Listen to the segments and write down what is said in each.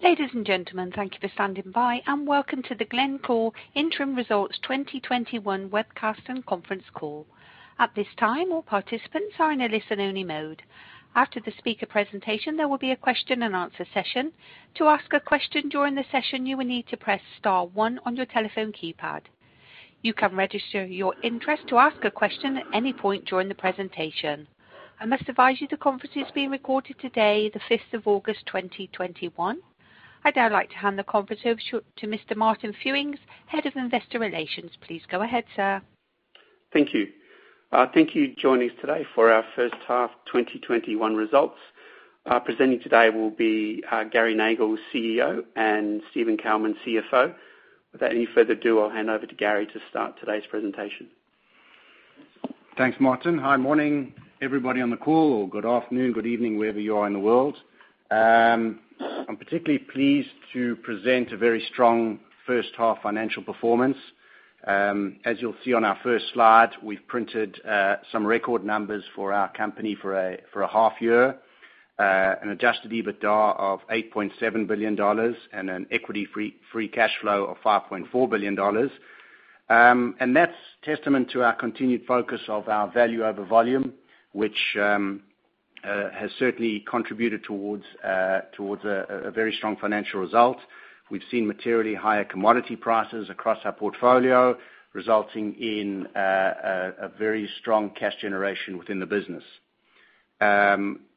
Ladies and gentlemen, thank you for standing by, and welcome to the Glencore Interim Results 2021 Webcast and Conference Call. I must advise you, the conference is being recorded today, the 5th of August 2021. I'd now like to hand the conference over to Mr. Martin Fewings, Head of Investor Relations. Please go ahead, sir. Thank you joining us today for our first half 2021 results. Presenting today will be Gary Nagle, CEO, and Steven Kalmin, CFO. Without any further ado, I'll hand over to Gary to start today's presentation. Thanks, Martin. Hi morning, everybody on the call, or good afternoon, good evening, wherever you are in the world. I'm particularly pleased to present a very strong first half financial performance. As you'll see on our first slide, we've printed some record numbers for our company for a half year. An Adjusted EBITDA of $8.7 billion and an equity free cash flow of $5.4 billion. That's testament to our continued focus of our value over volume, which has certainly contributed towards a very strong financial result. We've seen materially higher commodity prices across our portfolio, resulting in a very strong cash generation within the business.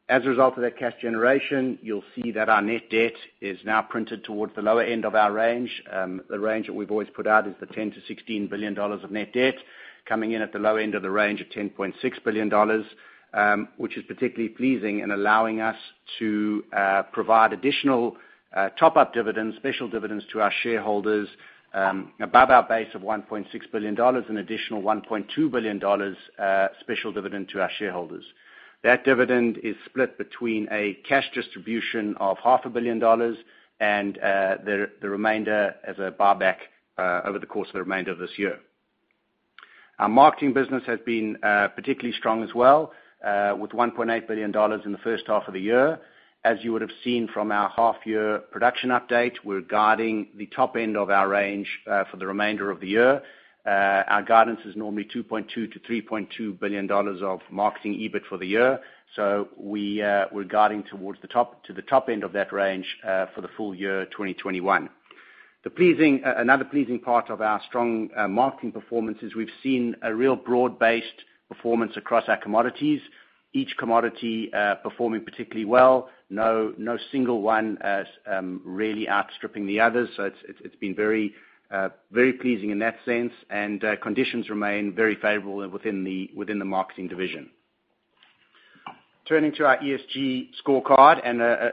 As a result of that cash generation, you'll see that our net debt is now printed towards the lower end of our range. The range that we've always put out is the $10 billion-$16 billion of net debt. Coming in at the low end of the range of $10.6 billion, which is particularly pleasing in allowing us to provide additional top-up dividends, special dividends to our shareholders above our base of $1.6 billion, an additional $1.2 billion special dividend to our shareholders. That dividend is split between a cash distribution of half a billion dollars and the remainder as a buyback over the course of the remainder of this year. Our marketing business has been particularly strong as well, with $1.8 billion in the first half of the year. As you would have seen from our half year production update, we're guiding the top end of our range for the remainder of the year. Our guidance is normally $2.2 billion-$3.2 billion of marketing EBIT for the year. We're guiding towards to the top end of that range for the full year 2021. Another pleasing part of our strong marketing performance is we have seen a real broad-based performance across our commodities. Each commodity performing particularly well, no single one really outstripping the others. It's been very pleasing in that sense, and conditions remain very favorable within the marketing division. Turning to our ESG Scorecard,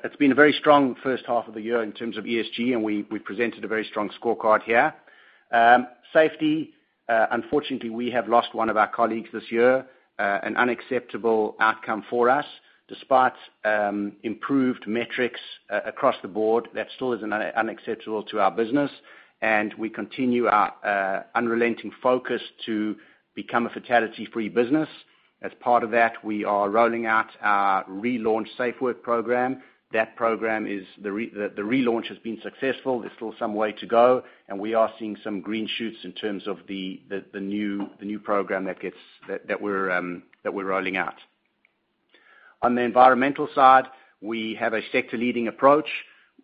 it's been a very strong first half of the year in terms of ESG. We presented a very strong scorecard here. Safety, unfortunately, we have lost one of our colleagues this year. An unacceptable outcome for us. Despite improved metrics across the board, that still is unacceptable to our business. We continue our unrelenting focus to become a fatality free business. As part of that, we are rolling out our relaunched SafeWork program. The relaunch has been successful. There's still some way to go, and we are seeing some green shoots in terms of the new program that we're rolling out. On the environmental side, we have a sector leading approach.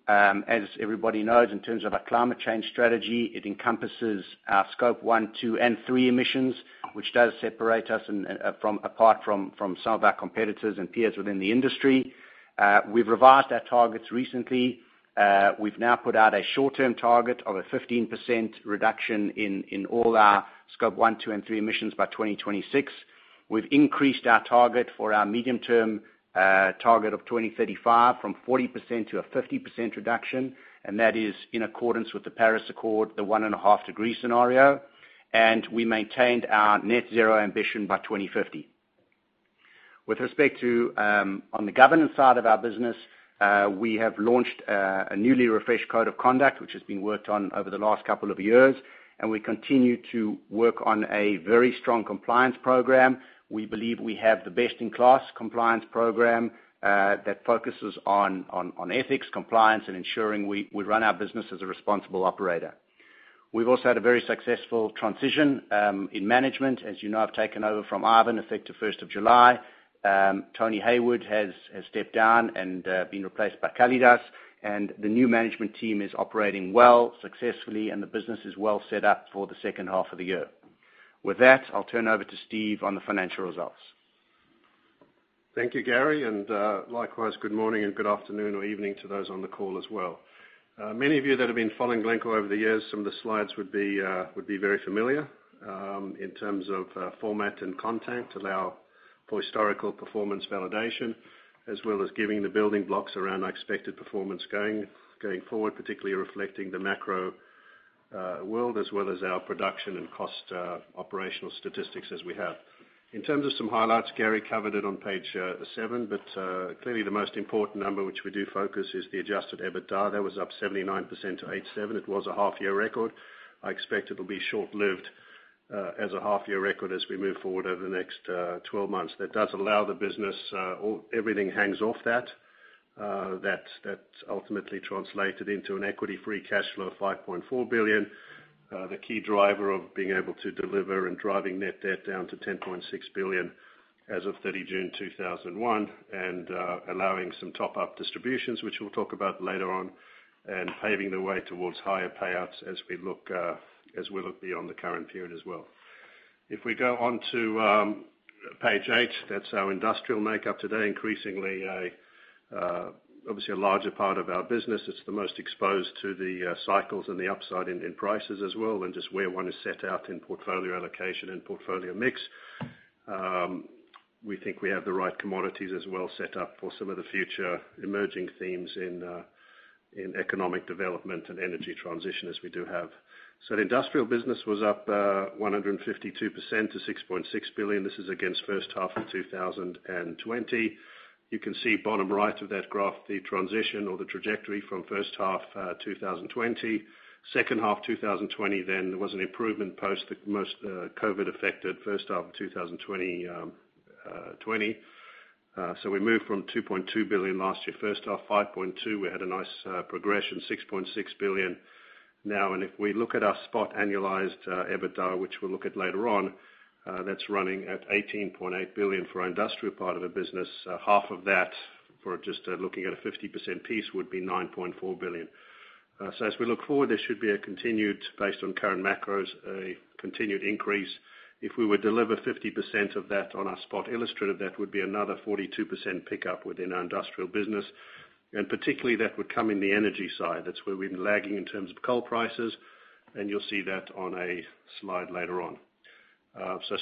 As everybody knows, in terms of our climate change strategy, it encompasses our Scope 1, 2, and 3 emissions, which does separate us apart from some of our competitors and peers within the industry. We've revised our targets recently. We've now put out a short-term target of a 15% reduction in all our Scope 1, 2, and 3 emissions by 2026. We've increased our target for our medium-term target of 2035 from 40% to a 50% reduction, and that is in accordance with the Paris Accord, the 1.5 degree scenario. We maintained our net zero ambition by 2050. With respect to on the governance side of our business, we have launched a newly refreshed code of conduct, which has been worked on over the last couple of years, and we continue to work on a very strong compliance program. We believe we have the best in class compliance program that focuses on ethics, compliance, and ensuring we run our business as a responsible operator. We've also had a very successful transition in management. As you know, I've taken over from Ivan effective 1st of July. Tony Hayward has stepped down and been replaced by Kalidas. The new management team is operating well, successfully, and the business is well set up for the second half of the year. With that, I'll turn over to Steve on the financial results. Thank you, Gary. Likewise, good morning and good afternoon or evening to those on the call as well. Many of you that have been following Glencore over the years, some of the slides would be very familiar in terms of format and content, allow for historical performance validation as well as giving the building blocks around our expected performance going forward, particularly reflecting the macro world as well as our production and cost operational statistics as we have. In terms of some highlights, Gary covered it on page seven, but clearly the most important number which we do focus is the Adjusted EBITDA. That was up 79% to $8.7. It was a half year record. I expect it'll be short-lived as a half year record as we move forward over the next 12 months. Everything hangs off that. That ultimately translated into an equity free cash flow of $5.4 billion. The key driver of being able to deliver and driving net debt down to $10.6 billion as of 30 June 2001, allowing some top-up distributions, which we'll talk about later on, paving the way towards higher payouts as we look beyond the current period as well. If we go on to page eight, that's our industrial makeup today. Increasingly, obviously a larger part of our business. It's the most exposed to the cycles and the upside in prices as well, just where one is set out in portfolio allocation and portfolio mix. We think we have the right commodities as well set up for some of the future emerging themes in economic development and energy transition as we do have. The industrial business was up 152% to $6.6 billion. This is against first half of 2020. You can see bottom right of that graph, the transition or the trajectory from first half 2020, second half 2020, then there was an improvement post the most COVID affected first half of 2020. We moved from $2.2 billion last year, first half, $5.2 billion, we had a nice progression, $6.6 billion now. If we look at our spot annualized EBITDA, which we'll look at later on, that's running at $18.8 billion for our industrial part of the business. Half of that for just looking at a 50% piece would be $9.4 billion. As we look forward, this should be, based on current macros, a continued increase. If we were to deliver 50% of that on our spot illustrative, that would be another 42% pickup within our industrial business. Particularly that would come in the energy side. That's where we've been lagging in terms of coal prices, and you'll see that on a slide later on.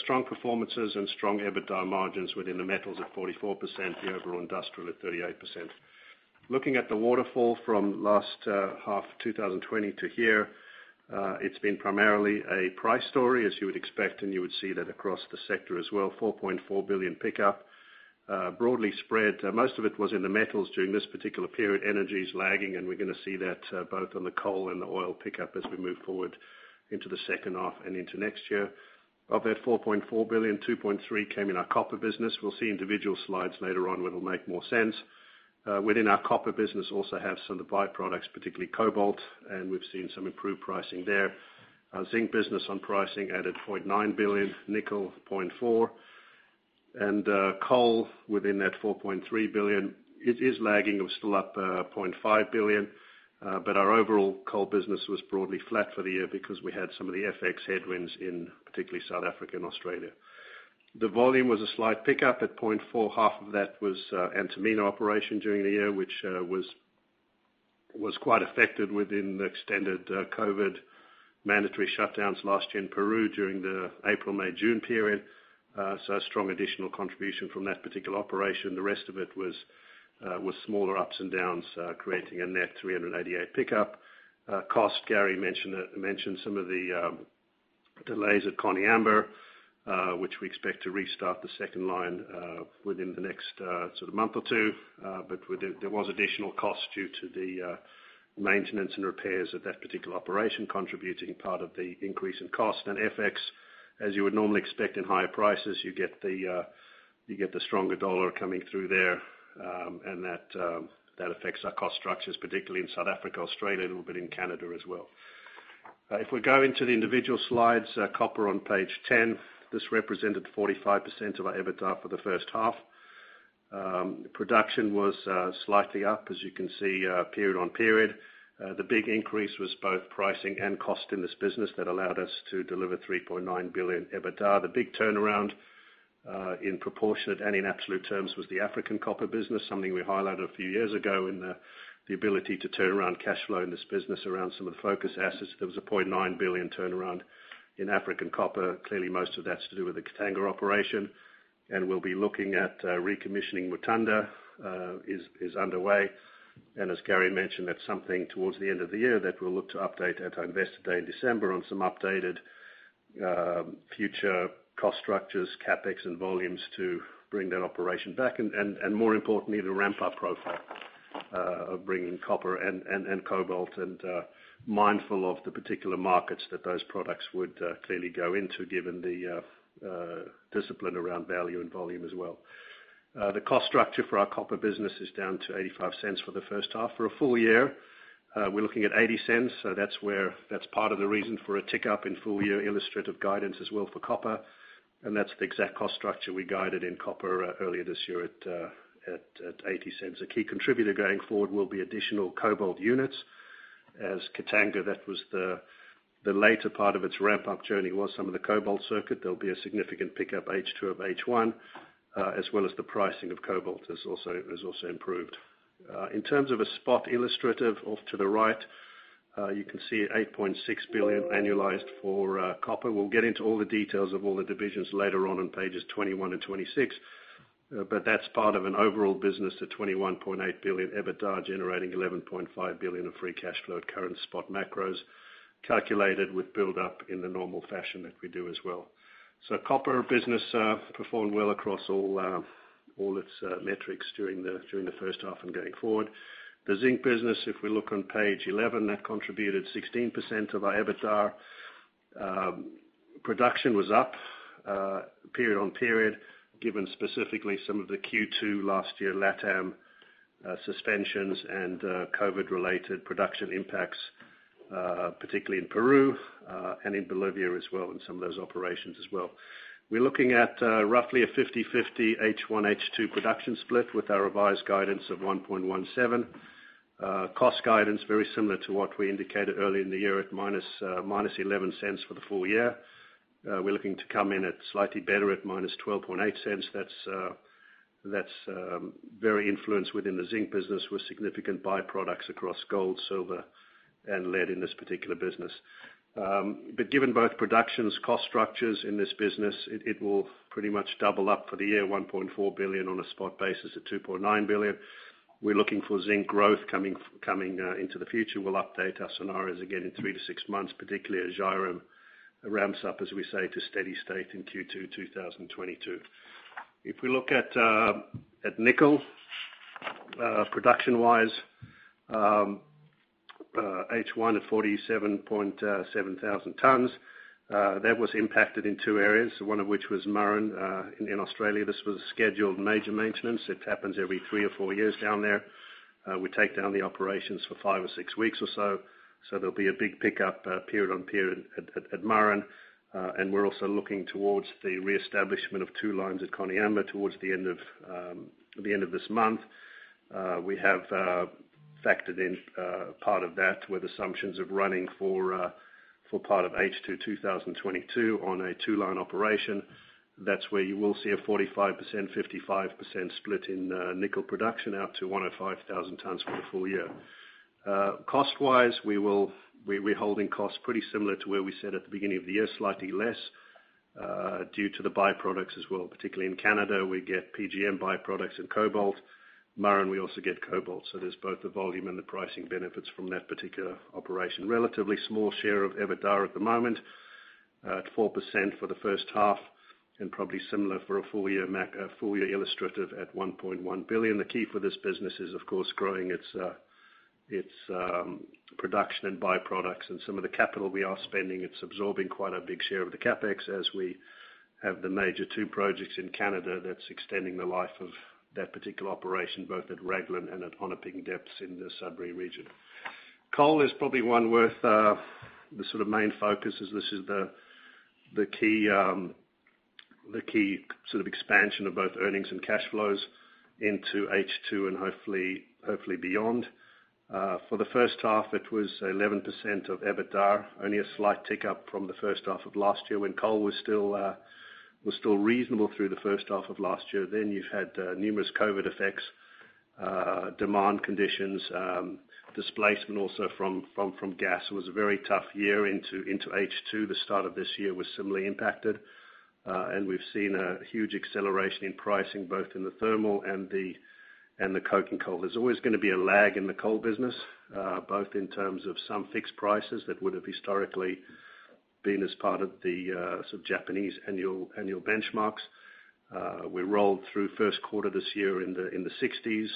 Strong performances and strong EBITDA margins within the metals at 44%, the overall industrial at 38%. Looking at the waterfall from last half of 2020 to here, it's been primarily a price story, as you would expect, and you would see that across the sector as well, a $4.4 billion pickup, broadly spread. Most of it was in the metals during this particular period. Energy is lagging, and we're going to see that both on the coal and the oil pickup as we move forward into the second half and into next year. Of that $4.4 billion, $2.3 billion came in our copper business. We'll see individual slides later on where it'll make more sense. Within our copper business, also have some of the byproducts, particularly cobalt, and we've seen some improved pricing there. Zinc business on pricing added $0.9 billion, nickel $0.4 billion, and coal within that $4.3 billion. It is lagging. We're still up $0.5 billion. Our overall coal business was broadly flat for the year because we had some of the FX headwinds in particularly South Africa and Australia. The volume was a slight pickup at $0.4 billion. Half of that was Antamina operation during the year, which was quite affected within the extended COVID mandatory shutdowns last year in Peru during the April, May, June period. Strong additional contribution from that particular operation. The rest of it was smaller ups and downs, creating a net 388 pickup. Cost, Gary mentioned some of the delays at Koniambo, which we expect to restart the second line within the next sort of month or two. There was additional cost due to the maintenance and repairs at that particular operation contributing part of the increase in cost and FX, as you would normally expect in higher prices, you get the stronger dollar coming through there, and that affects our cost structures, particularly in South Africa, Australia, a little bit in Canada as well. If we go into the individual slides, copper on page 10, this represented 45% of our EBITDA for the first half. Production was slightly up, as you can see, period on period. The big increase was both pricing and cost in this business that allowed us to deliver $3.9 billion EBITDA. The big turnaround in proportionate and in absolute terms was the African copper business. Something we highlighted a few years ago in the ability to turn around cash flow in this business around some of the focus assets. There was a $0.9 billion turnaround in African copper. Clearly, most of that's to do with the Katanga operation. We'll be looking at recommissioning Mutanda is underway. As Gary mentioned, that's something towards the end of the year that we'll look to update at our Investor Day in December on some updated future cost structures, CapEx and volumes to bring that operation back and more importantly, the ramp-up profile of bringing copper and cobalt and mindful of the particular markets that those products would clearly go into, given the discipline around value and volume as well. The cost structure for our copper business is down to $0.85 for the first half. For a full year, we're looking at $0.80. That's part of the reason for a tick up in full year illustrative guidance as well for copper, and that's the exact cost structure we guided in copper earlier this year at $0.80. A key contributor going forward will be additional cobalt units. As Katanga, that was the later part of its ramp-up journey was some of the cobalt circuit. There'll be a significant pickup H2 of H1, as well as the pricing of cobalt has also improved. In terms of a spot illustrative, off to the right, you can see $8.6 billion annualized for copper. We'll get into all the details of all the divisions later on pages 21 and 26. That's part of an overall business to $21.8 billion EBITDA generating $11.5 billion of free cash flow at current spot macros, calculated with buildup in the normal fashion that we do as well. Copper business performed well across all its metrics during the first half and going forward. The zinc business, if we look on page 11, that contributed 16% of our EBITDA. Production was up period on period, given specifically some of the Q2 last year LATAM suspensions and COVID-related production impacts, particularly in Peru and in Bolivia as well, and some of those operations as well. We are looking at roughly a 50/50 H1/H2 production split with our revised guidance of 1.17. Cost guidance, very similar to what we indicated earlier in the year at -$0.11 for the full year. We are looking to come in at slightly better at -$0.128. That is very influenced within the zinc business, with significant byproducts across gold, silver, and lead in this particular business. Given both productions, cost structures in this business, it will pretty much double up for the year, $1.4 billion on a spot basis to $2.9 billion. We're looking for zinc growth coming into the future. We'll update our scenarios again in 3-6 months, particularly as Zhairem ramps up, as we say, to steady state in Q2 2022. If we look at nickel, production-wise, H1 at 47,700 tonnes. That was impacted in two areas, one of which was Murrin in Australia. This was a scheduled major maintenance. It happens every three or four years down there. We take down the operations for five or six weeks or so. There'll be a big pickup, period on period at Murrin. We're also looking towards the reestablishment of two lines at Koniambo towards the end of this month. We have factored in part of that with assumptions of running for part of H2 2022 on a two-line operation. That's where you will see a 45%/55% split in nickel production out to 105,000 tonnes for the full year. Cost-wise, we're holding costs pretty similar to where we said at the beginning of the year, slightly less, due to the byproducts as well. Particularly in Canada, we get PGM byproducts and cobalt. Murrin, we also get cobalt. There's both the volume and the pricing benefits from that particular operation. Relatively small share of EBITDA at the moment, at 4% for the first half, and probably similar for a full year illustrative at $1.1 billion. The key for this business is, of course, growing its production and byproducts and some of the capital we are spending. It's absorbing quite a big share of the CapEx as we have the major two projects in Canada that's extending the life of that particular operation, both at Raglan and at Onaping Depths in the Sudbury region. Coal is probably one worth the main focus as this is the key expansion of both earnings and cash flows into H2 and hopefully beyond. For the first half, it was 11% of EBITDA, only a slight tick up from the first half of last year when coal was still reasonable through the first half of last year. You've had numerous COVID effects, demand conditions, displacement also from gas. It was a very tough year into H2. The start of this year was similarly impacted. We've seen a huge acceleration in pricing, both in the thermal and the coking coal. There's always going to be a lag in the coal business, both in terms of some fixed prices that would have historically been as part of the Japanese annual benchmarks. We rolled through first quarter this year in the $60s.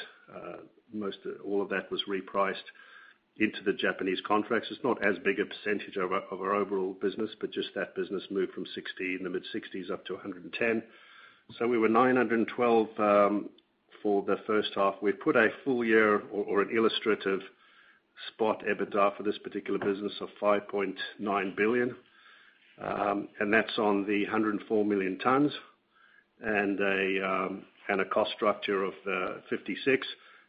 Most all of that was repriced into the Japanese contracts. It's not as big a percentage of our overall business, but just that business moved from $60, in the mid-$60s up to $110. We were $912 for the first half. We put a full year or an illustrative spot EBITDA for this particular business of $5.9 billion. That's on the 104 million tonnes and a cost structure of $56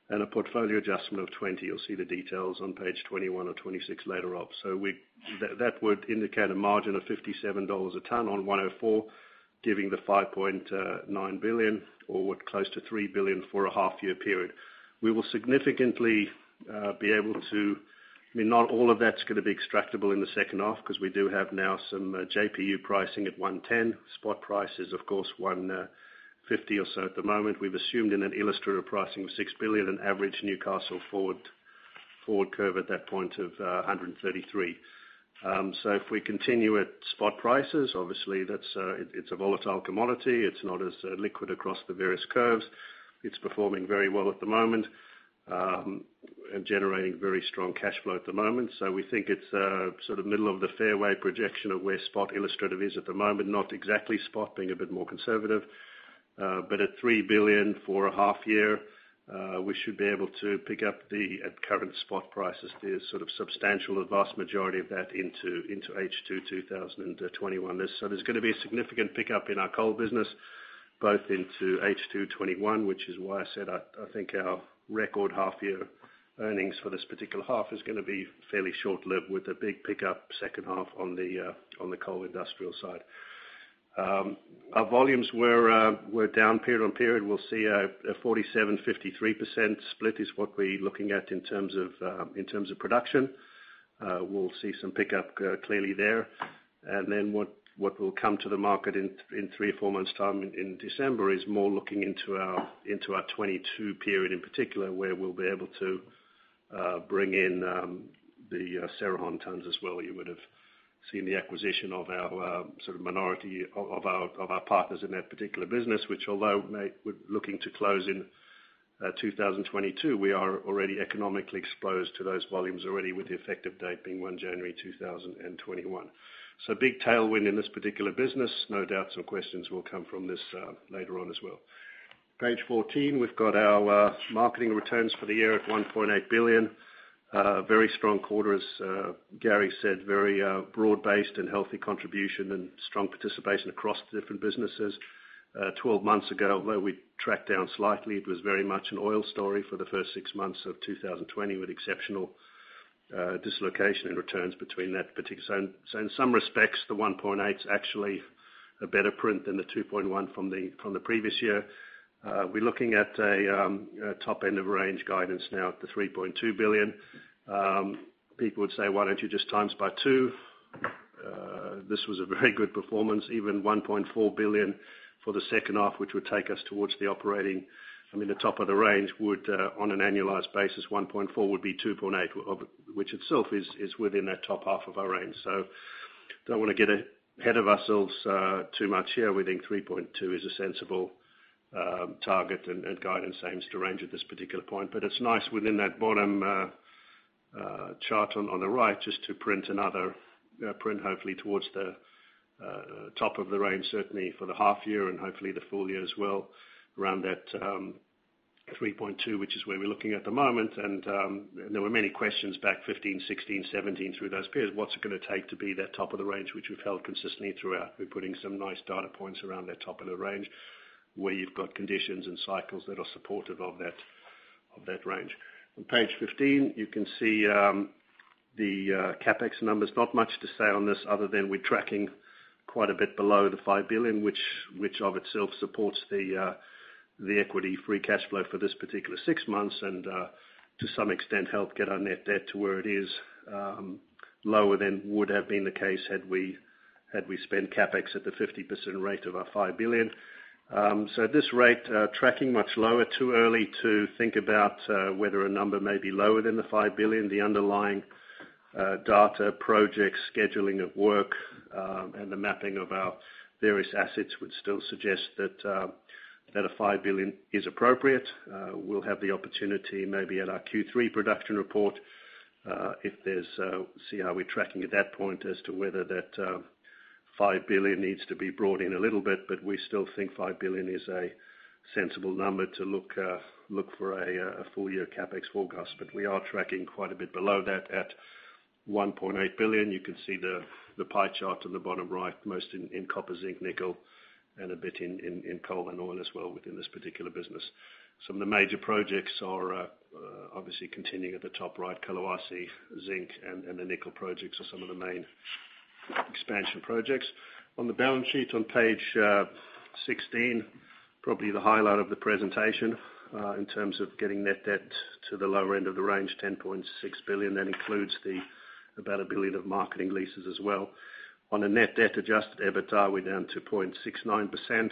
and a portfolio adjustment of $20. You'll see the details on page 21 or 26 later on. That would indicate a margin of $57 a ton on 104, giving the $5.9 billion or close to $3 billion for a half-year period. Not all of that's going to be extractable in the second half because we do have now some JPU pricing at $110. Spot price is, of course, $150 or so at the moment. We've assumed in an illustrative pricing of $6 billion, an average Newcastle forward curve at that point of $133. If we continue at spot prices, obviously it's a volatile commodity. It's not as liquid across the various curves. It's performing very well at the moment, and generating very strong cash flow at the moment. We think it's a middle-of-the-fairway projection of where spot illustrative is at the moment. Not exactly spot, being a bit more conservative. At $3 billion for a half year, we should be able to pick up the at current spot prices, the substantial or vast majority of that into H2 2021. There's going to be a significant pickup in our coal business, both into H2 2021, which is why I said I think our record half year earnings for this particular half is going to be fairly short-lived with a big pickup second half on the coal industrial side. Our volumes were down period on period. We'll see a 47%-53% split is what we're looking at in terms of production. We'll see some pickup clearly there. What will come to the market in three or four months' time in December is more looking into our 2022 period in particular, where we'll be able to bring in the Cerrejón tonnes as well. You would have seen the acquisition of our partners in that particular business, which although we're looking to close in 2022. We are already economically exposed to those volumes already with the effective date being 1 January 2021. Big tailwind in this particular business. No doubts or questions will come from this later on as well. Page 14, we've got our marketing returns for the year at $1.8 billion. A very strong quarter, as Gary said, very broad-based and healthy contribution and strong participation across the different businesses. 12 months ago, although we tracked down slightly, it was very much an oil story for the first six months of 2020 with exceptional dislocation in returns. In some respects, the $1.8's actually a better print than the $2.1 billion from the previous year. We're looking at a top end of range guidance now at the $3.2 billion. People would say, "Why don't you just times by two?" This was a very good performance, even $1.4 billion for the second half, which would take us towards the operating, I mean, the top of the range would, on an annualized basis, $1.4 billion would be $2.8 billion, which itself is within that top half of our range. Don't want to get ahead of ourselves too much here. We think $3.2 billion is a sensible target and guidance aims to range at this particular point. It's nice within that bottom chart on the right just to print hopefully towards the top of the range, certainly for the half year and hopefully the full year as well, around that $3.2 billion, which is where we're looking at the moment. There were many questions back 2015, 2016, 2017, through those periods. What's it going to take to be that top of the range, which we've held consistently throughout? We're putting some nice data points around that top of the range where you've got conditions and cycles that are supportive of that range. On page 15, you can see the CapEx numbers. Not much to say on this other than we're tracking quite a bit below the $5 billion, which of itself supports the equity-free cash flow for this particular six months and, to some extent, help get our net debt to where it is, lower than would have been the case had we spent CapEx at the 50% rate of our $5 billion. At this rate, tracking much lower, too early to think about whether a number may be lower than the $5 billion. The underlying data projects, scheduling of work, and the mapping of our various assets would still suggest that a $5 billion is appropriate. We'll have the opportunity maybe at our Q3 production report, see how we're tracking at that point as to whether that $5 billion needs to be brought in a little bit. We still think $5 billion is a sensible number to look for a full-year CapEx forecast. We are tracking quite a bit below that at $1.8 billion. You can see the pie chart on the bottom right, most in copper, zinc, nickel, and a bit in coal and oil as well within this particular business. Some of the major projects are obviously continuing at the top right. Kolwezi zinc and the nickel projects are some of the main expansion projects. On the balance sheet on page 16, probably the highlight of the presentation in terms of getting net debt to the lower end of the range, $10.6 billion. That includes about $1 billion of marketing leases as well. On a net debt Adjusted EBITDA, we're down to 0.69%,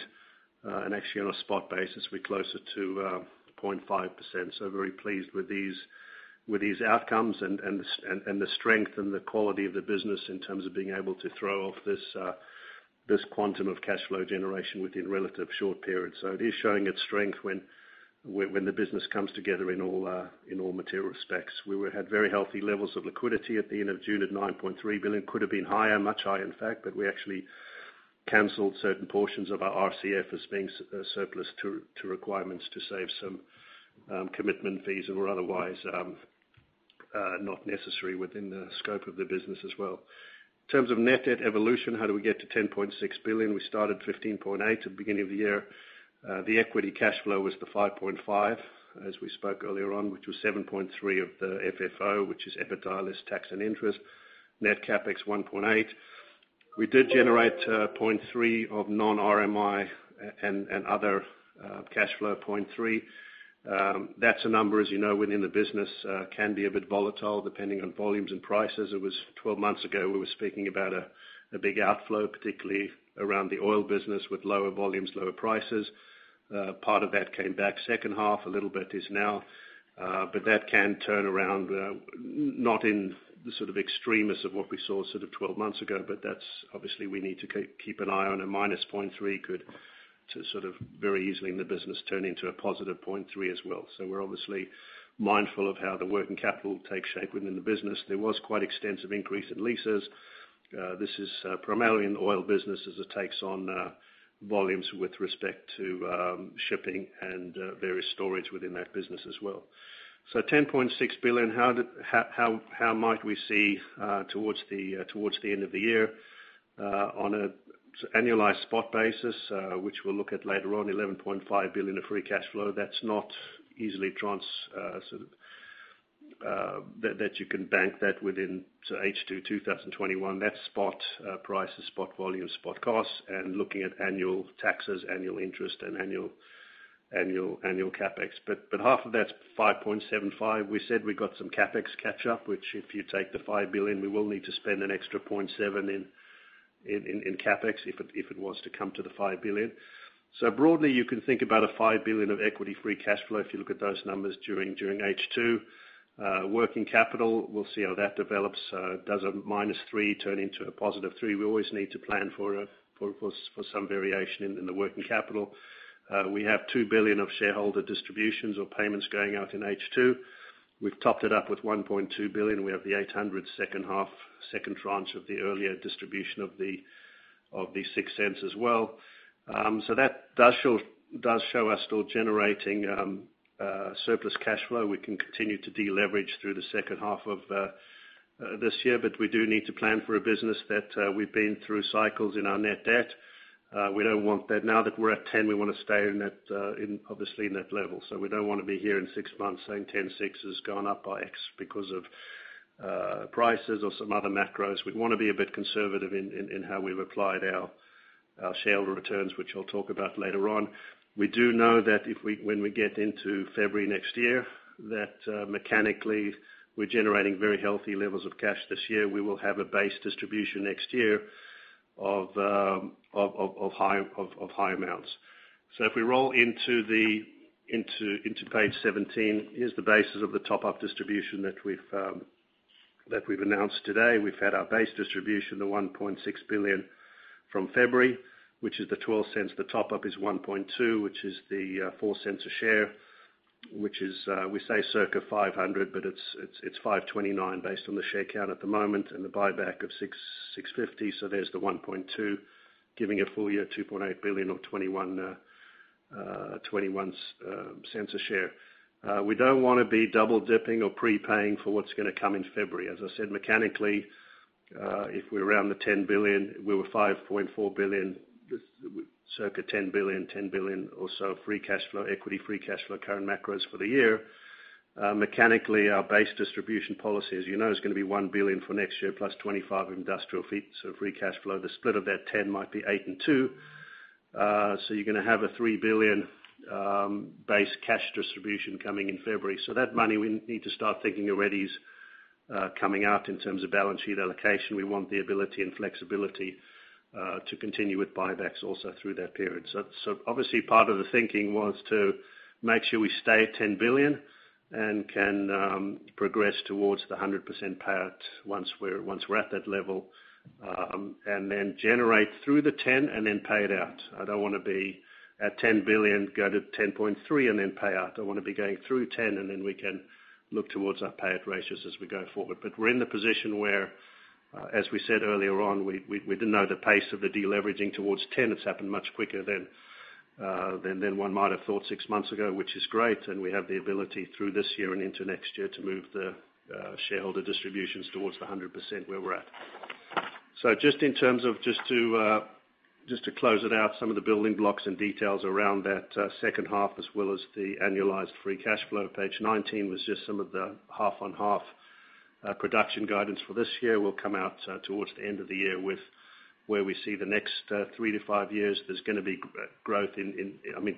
and actually on a spot basis, we're closer to 0.5%. Very pleased with these outcomes and the strength and the quality of the business in terms of being able to throw off this quantum of cash flow generation within relative short periods. It is showing its strength when the business comes together in all material specs. We had very healthy levels of liquidity at the end of June at $9.3 billion. Could have been higher, much higher, in fact, we actually canceled certain portions of our RCF as being surplus to requirements to save some commitment fees that were otherwise not necessary within the scope of the business as well. In terms of net debt evolution, how do we get to $10.6 billion? We started $15.8 billion at the beginning of the year. The equity cash flow was the $5.5 billion, as we spoke earlier on, which was $7.3 billion of the FFO, which is EBITDA less tax and interest. Net CapEx $1.8 billion. We did generate $0.3 billion of non-RMI and other cash flow. That's a number, as you know, within the business, can be a bit volatile depending on volumes and prices. It was 12 months ago, we were speaking about a big outflow, particularly around the oil business with lower volumes, lower prices. Part of that came back second half. A little bit is now. That can turn around, not in the sort of extremis of what we saw sort of 12 months ago, but that obviously we need to keep an eye on, and -0.3 could sort of very easily in the business turn into a +0.3 as well. We're obviously mindful of how the working capital takes shape within the business. There was quite extensive increase in leases. This is primarily in oil businesses. It takes on volumes with respect to shipping and various storage within that business as well. $10.6 billion, how might we see towards the end of the year? On an annualized spot basis, which we'll look at later on, $11.5 billion of free cash flow. That's not easily that you can bank that within H2 2021. That's spot prices, spot volumes, spot costs, and looking at annual taxes, annual interest, and annual CapEx. Half of that $5.75, we said we got some CapEx catch up, which if you take the $5 billion, we will need to spend an extra $0.7 billion in CapEx, if it was to come to the $5 billion. Broadly, you can think about a $5 billion of equity-free cash flow if you look at those numbers during H2. Working capital, we'll see how that develops. Does a -3 turn into a +3? We always need to plan for some variation in the working capital. We have $2 billion of shareholder distributions or payments going out in H2. We've topped it up with $1.2 billion. We have the $800 million second half, second tranche of the earlier distribution of the $0.06 as well. That does show us still generating surplus cash flow. We can continue to deleverage through the second half of this year. We do need to plan for a business that we've been through cycles in our net debt. We don't want that. Now that we're at $10 billion, we want to stay in, obviously, net level. We don't want to be here in six months saying $10.6 billion has gone up by X because of prices or some other macros. We'd want to be a bit conservative in how we've applied our shareholder returns, which I'll talk about later on. We do know that when we get into February next year, that mechanically we're generating very healthy levels of cash this year. We will have a base distribution next year of high amounts. If we roll into page 17, here's the basis of the top-up distribution that we've announced today. We've had our base distribution, the $1.6 billion from February, which is the $0.12. The top-up is $1.2 billion, which is the $0.04 a share, which is, we say circa $500 million, but it's $529 million based on the share count at the moment, and the buyback of $650 million. There's the $1.2 billion, giving a full year $2.8 billion or $0.21 a share. We don't want to be double-dipping or prepaying for what's going to come in February. As I said, mechanically, if we're around the $10 billion, we were $5.4 billion, circa $10 billion, $10 billion or so of free cash flow, equity-free cash flow, current macros for the year. Mechanically, our base distribution policy, as you know, is going to be $1 billion for next year +25 industrial fee. Free cash flow, the split of that $10 billion might be $8 billion and $2 billion. You're going to have a $3 billion base cash distribution coming in February. That money, we need to start thinking already is coming out in terms of balance sheet allocation. We want the ability and flexibility to continue with buybacks also through that period. Obviously, part of the thinking was to make sure we stay at $10 billion and can progress towards the 100% payout once we're at that level, and then generate through the $10 billion and then pay it out. I don't want to be at $10 billion, go to $10.3 billion and then pay out. I want to be going through $10 billion and then we can look towards our payout ratios as we go forward. We're in the position where, as we said earlier on, we didn't know the pace of the deleveraging towards $10 billion. It's happened much quicker than one might have thought six months ago, which is great, and we have the ability through this year and into next year to move the shareholder distributions towards the 100% where we're at. Just in terms of, just to close it out, some of the building blocks and details around that second half as well as the annualized free cash flow. Page 19 was just some of the half-on-half production guidance for this year. We'll come out towards the end of the year with where we see the next 3-5 years. There's going to be growth.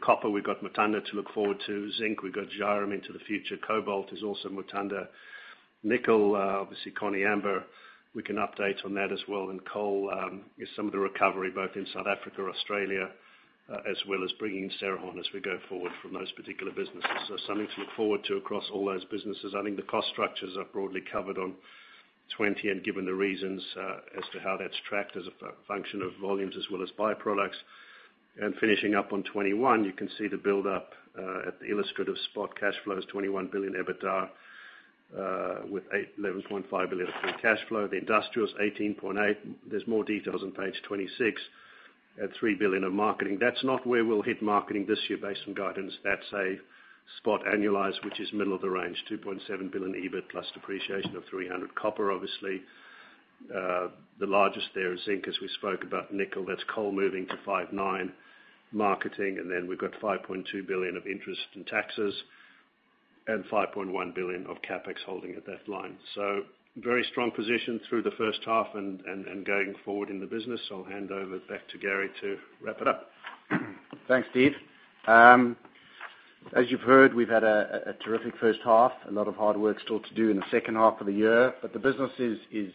copper, we've got Mutanda to look forward to. zinc, we've got Zhairem into the future. cobalt is also Mutanda. nickel, obviously, Koniambo. We can update on that as well. Coal is some of the recovery, both in South Africa or Australia, as well as bringing Cerrejón as we go forward from those particular businesses. Something to look forward to across all those businesses. I think the cost structures are broadly covered on page 20 and given the reasons as to how that's tracked as a function of volumes as well as byproducts. Finishing up on page 21, you can see the buildup at the illustrative spot cash flow is $21 billion EBITDA with $11.5 billion of free cash flow. The industrial is $18.8. There's more details on page 26 at $3 billion of marketing. That's not where we'll hit marketing this year based on guidance. That's a spot annualized, which is middle of the range, $2.7 billion EBIT plus depreciation of $300. Copper, obviously, the largest there is zinc, as we spoke about nickel. That's coal moving to $5.9 billion marketing. We've got $5.2 billion of interest and taxes and $5.1 billion of CapEx holding at that line. Very strong position through the first half and going forward in the business. I'll hand over back to Gary to wrap it up. Thanks, Steve. As you've heard, we've had a terrific first half, a lot of hard work still to do in the second half of the year. The business is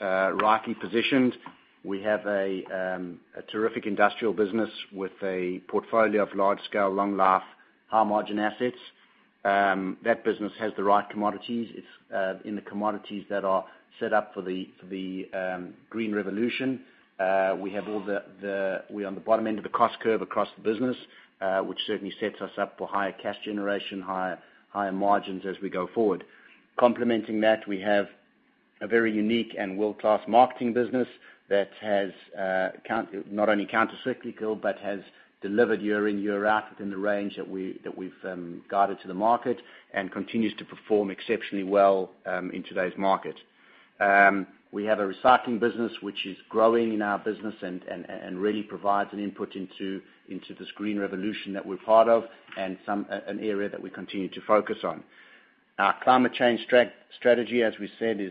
rightly positioned. We have a terrific industrial business with a portfolio of large-scale, long-life, high-margin assets. That business has the right commodities. It's in the commodities that are set up for the green revolution. We're on the bottom end of the cost curve across the business, which certainly sets us up for higher cash generation, higher margins as we go forward. Complementing that, we have a very unique and world-class marketing business that has not only countercyclical, but has delivered year in, year out within the range that we've guided to the market and continues to perform exceptionally well in today's market. We have a recycling business which is growing in our business and really provides an input into this green revolution that we're part of and an area that we continue to focus on. Our climate change strategy, as we said, is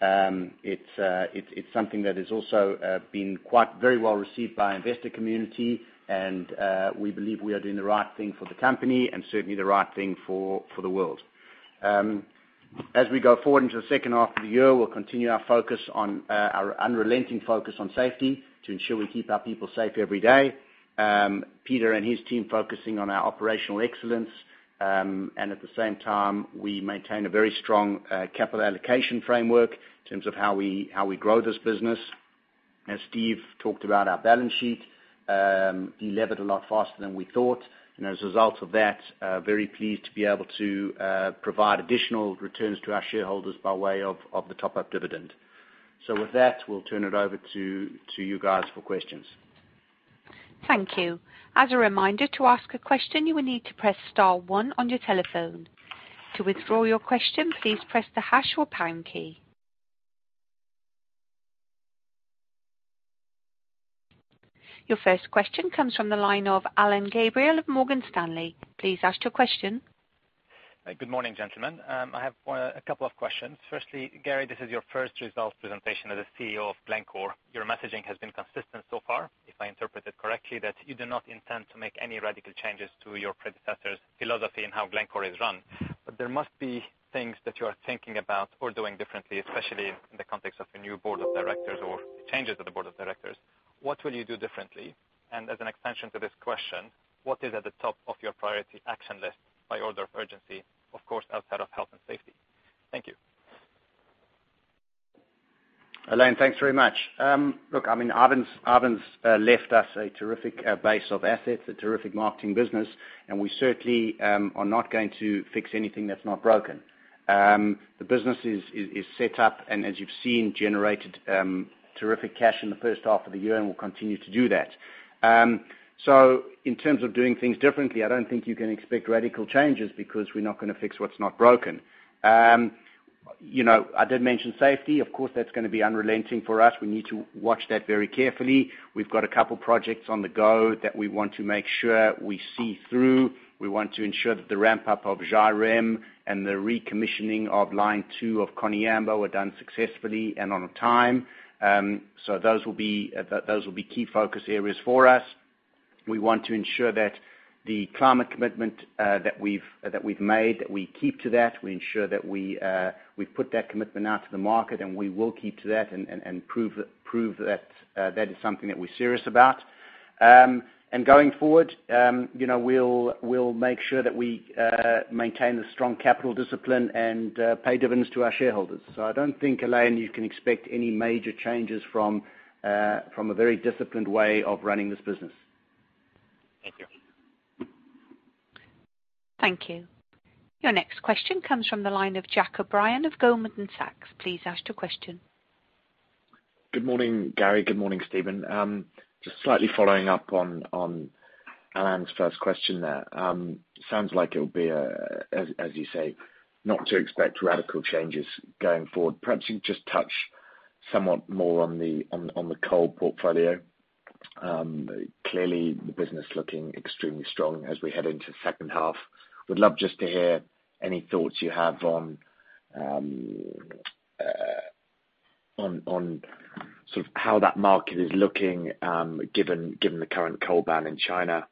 sector-leading. It's something that has also been very well received by investor community, and we believe we are doing the right thing for the company and certainly the right thing for the world. As we go forward into the second half of the year, we'll continue our unrelenting focus on safety to ensure we keep our people safe every day. Peter and his team focusing on our operational excellence, and at the same time, we maintain a very strong capital allocation framework in terms of how we grow this business. As Steven talked about our balance sheet, delevered a lot faster than we thought. As a result of that, very pleased to be able to provide additional returns to our shareholders by way of the top-up dividend. With that, we'll turn it over to you guys for questions. Thank you. As a reminder, to ask a question, you will need to press star one on your telephone. To withdraw your question, please press the hash or pound key. Your first question comes from the line of Alain Gabriel of Morgan Stanley. Please ask your question. Good morning, gentlemen. I have a couple of questions. Firstly, Gary, this is your first results presentation as the CEO of Glencore. Your messaging has been consistent so far. If I interpret it correctly, that you do not intend to make any radical changes to your predecessor's philosophy in how Glencore is run. There must be things that you are thinking about or doing differently, especially in the context of a new board of directors or changes of the board of directors. What will you do differently? As an extension to this question, what is at the top of your priority action list by order of urgency, of course, outside of health and safety? Thank you. Alain, thanks very much. Ivan's left us a terrific base of assets, a terrific marketing business, we certainly are not going to fix anything that's not broken. The business is set up, as you've seen, generated terrific cash in the first half of the year and will continue to do that. In terms of doing things differently, I don't think you can expect radical changes because we're not going to fix what's not broken. I did mention safety. Of course, that's going to be unrelenting for us. We need to watch that very carefully. We've got a couple projects on the go that we want to make sure we see through. We want to ensure that the ramp-up of Zhairem and the recommissioning of line two of Koniambo were done successfully and on time. Those will be key focus areas for us. We want to ensure that the climate commitment that we've made, that we keep to that. We ensure that we put that commitment out to the market, we will keep to that and prove that that is something that we're serious about. Going forward, we'll make sure that we maintain the strong capital discipline and pay dividends to our shareholders. I don't think, Alain, you can expect any major changes from a very disciplined way of running this business. Thank you. Thank you. Your next question comes from the line of Jack O'Brien of Goldman Sachs. Please ask your question. Good morning, Gary. Good morning, Steven. Just slightly following up on Alain's first question there. Sounds like it'll be, as you say, not to expect radical changes going forward. Perhaps you just touch somewhat more on the coal portfolio. Clearly, the business looking extremely strong as we head into second half. Would love just to hear any thoughts you have on sort of how that market is looking, given the current coal ban in China,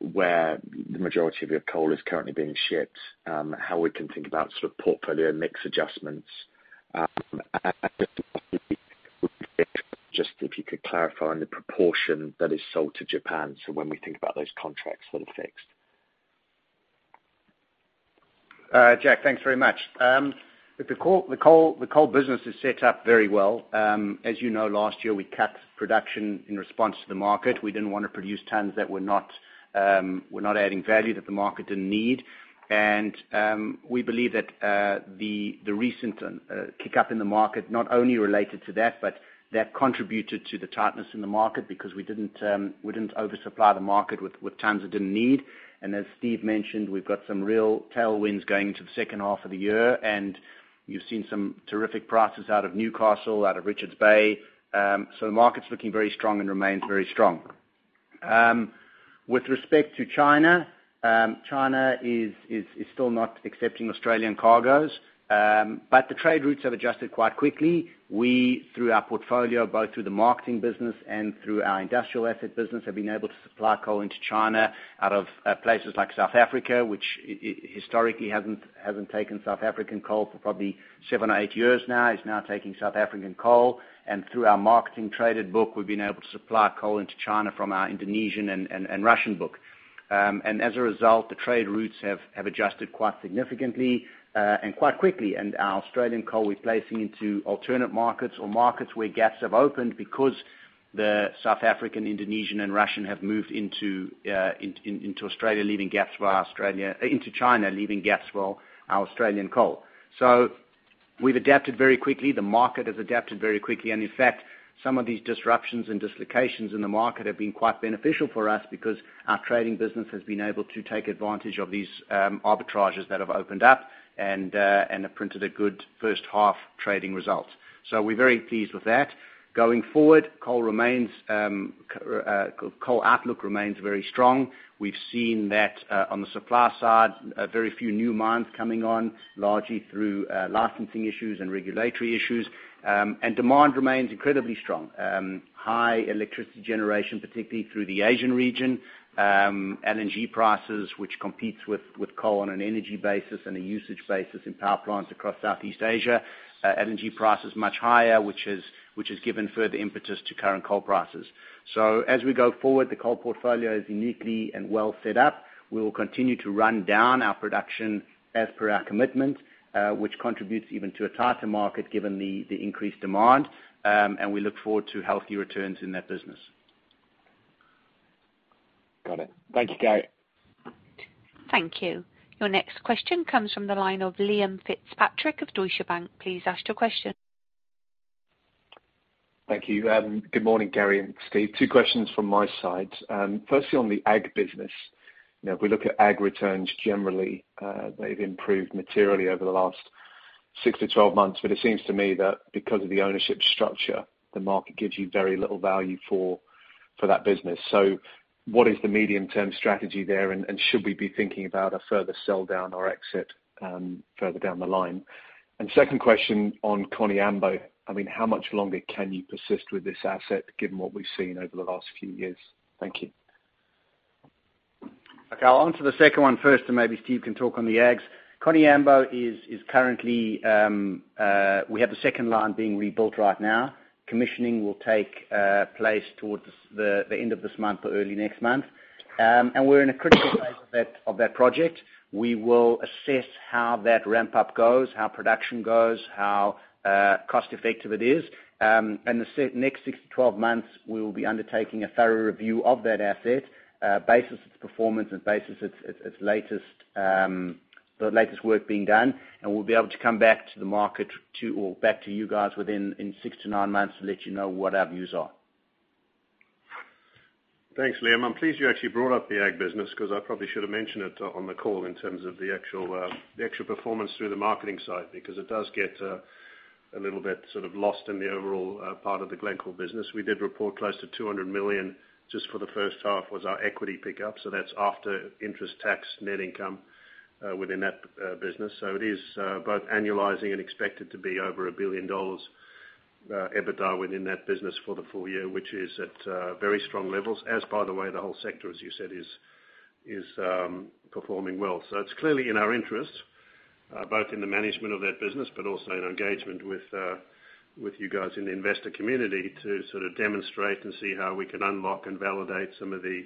where the majority of your coal is currently being shipped, how we can think about sort of portfolio mix adjustments. Just if you could clarify on the proportion that is sold to Japan, so when we think about those contracts that are fixed. Jack, thanks very much. Look, the coal business is set up very well. As you know, last year, we capped production in response to the market. We didn't want to produce tonnes that were not adding value that the market didn't need. We believe that the recent kick-up in the market not only related to that, but that contributed to the tightness in the market because we didn't oversupply the market with tonnes it didn't need. As Steven mentioned, we've got some real tailwinds going into the second half of the year, and you've seen some terrific prices out of Newcastle, out of Richards Bay. The market's looking very strong and remains very strong. With respect to China is still not accepting Australian cargoes. The trade routes have adjusted quite quickly. We, through our portfolio, both through the marketing business and through our industrial asset business, have been able to supply coal into China out of places like South Africa, which historically hasn't taken South African coal for probably seven or eight years now, is now taking South African coal. Through our marketing traded book, we've been able to supply coal into China from our Indonesian and Russian book. As a result, the trade routes have adjusted quite significantly and quite quickly. Our Australian coal we're placing into alternate markets or markets where gaps have opened because the South African, Indonesian, and Russian have moved into Australia, leaving gaps for our into China, leaving gaps for our Australian coal. We've adapted very quickly. The market has adapted very quickly. In fact, some of these disruptions and dislocations in the market have been quite beneficial for us because our trading business has been able to take advantage of these arbitrages that have opened up and have printed a good first half trading result. We're very pleased with that. Going forward, coal outlook remains very strong. We've seen that on the supply side, very few new mines coming on, largely through licensing issues and regulatory issues. Demand remains incredibly strong. High electricity generation, particularly through the Asian region. LNG prices, which competes with coal on an energy basis and a usage basis in power plants across Southeast Asia. LNG price is much higher, which has given further impetus to current coal prices. As we go forward, the coal portfolio is uniquely and well set up. We will continue to run down our production as per our commitment, which contributes even to a tighter market given the increased demand. We look forward to healthy returns in that business. Got it. Thank you, Gary. Thank you. Your next question comes from the line of Liam Fitzpatrick of Deutsche Bank. Please ask your question. Thank you. Good morning, Gary and Steve. Two questions from my side. Firstly, on the ag business. If we look at ag returns, generally, they've improved materially over the last 6-12 months. It seems to me that because of the ownership structure, the market gives you very little value for that business. What is the medium-term strategy there, and should we be thinking about a further sell-down or exit further down the line? Second question on Koniambo. How much longer can you persist with this asset, given what we've seen over the last few years? Thank you. I'll answer the second one first. Maybe Steve can talk on the ags. Koniambo, we have the second line being rebuilt right now. Commissioning will take place towards the end of this month or early next month. We're in a critical phase of that project. We will assess how that ramp-up goes, how production goes, how cost-effective it is. In the next 6-12 months, we will be undertaking a thorough review of that asset, basis its performance and basis the latest work being done. We'll be able to come back to the market or back to you guys within 6-9 months to let you know what our views are. Thanks, Liam. I'm pleased you actually brought up the ag business because I probably should have mentioned it on the call in terms of the actual performance through the marketing side because it does get a little bit sort of lost in the overall part of the Glencore business. We did report close to $200 million just for the first half was our equity pickup. That's after-interest tax net income within that business. It is both annualizing and expected to be over $1 billion EBITDA within that business for the full year, which is at very strong levels. By the way, the whole sector, as you said, is performing well. It's clearly in our interest, both in the management of that business, but also in engagement with you guys in the investor community to sort of demonstrate and see how we can unlock and validate some of the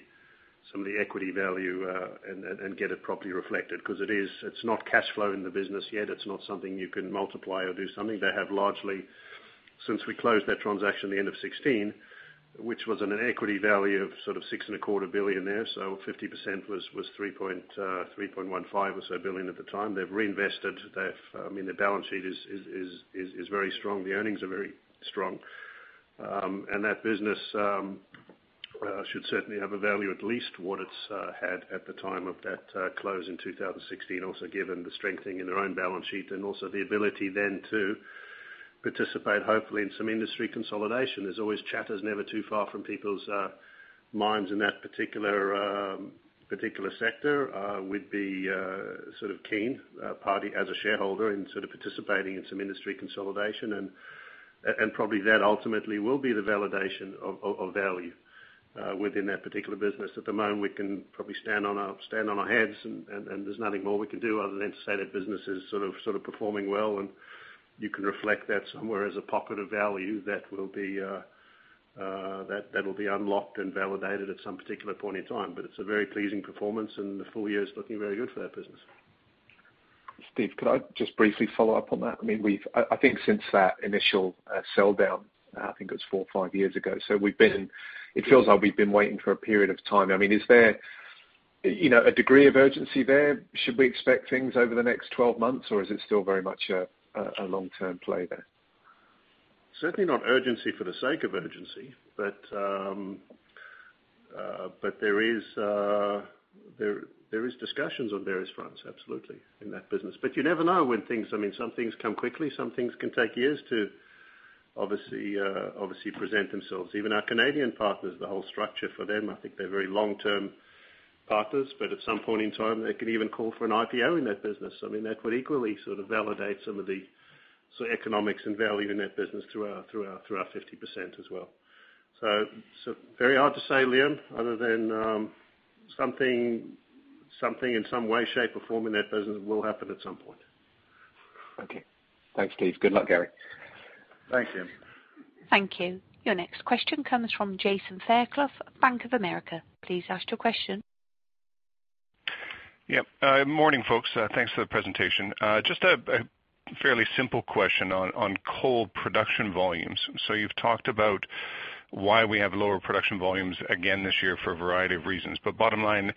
equity value and get it properly reflected. It's not cash flow in the business yet. It's not something you can multiply or do something. They have largely, since we closed that transaction at the end of 2016, which was on an equity value of sort of $6.25 billion there, so 50% was $3.15 billion or so at the time. They've reinvested. Their balance sheet is very strong. The earnings are very strong. That business should certainly have a value, at least what it's had at the time of that close in 2016. Given the strengthening in their own balance sheet and also the ability then to participate, hopefully, in some industry consolidation. There's always chat is never too far from people's minds in that particular sector. We'd be sort of keen, as a shareholder, in sort of participating in some industry consolidation and probably that ultimately will be the validation of value within that particular business. At the moment, we can probably stand on our hands and there's nothing more we can do other than say that business is sort of performing well and you can reflect that somewhere as a pocket of value that will be unlocked and validated at some particular point in time. It's a very pleasing performance and the full year is looking very good for that business. Steve, could I just briefly follow up on that? I think since that initial sell-down, I think it was four or five years ago. It feels like we've been waiting for a period of time. Is there a degree of urgency there? Should we expect things over the next 12 months, or is it still very much a long-term play there? Certainly not urgency for the sake of urgency, there is discussions on various fronts, absolutely, in that business. You never know when some things come quickly, some things can take years to obviously present themselves. Even our Canadian partners, the whole structure for them, I think they're very long-term partners, but at some point in time, they could even call for an IPO in that business. That would equally sort of validate some of the economics and value in that business through our 50% as well. Very hard to say, Liam, other than something in some way, shape, or form in that business will happen at some point. Okay. Thanks, Steve. Good luck, Gary. Thank you. Thank you. Your next question comes from Jason Fairclough, Bank of America. Please ask your question. Yep. Morning, folks. Thanks for the presentation. Just a fairly simple question on coal production volumes. You've talked about why we have lower production volumes again this year for a variety of reasons. Bottom line,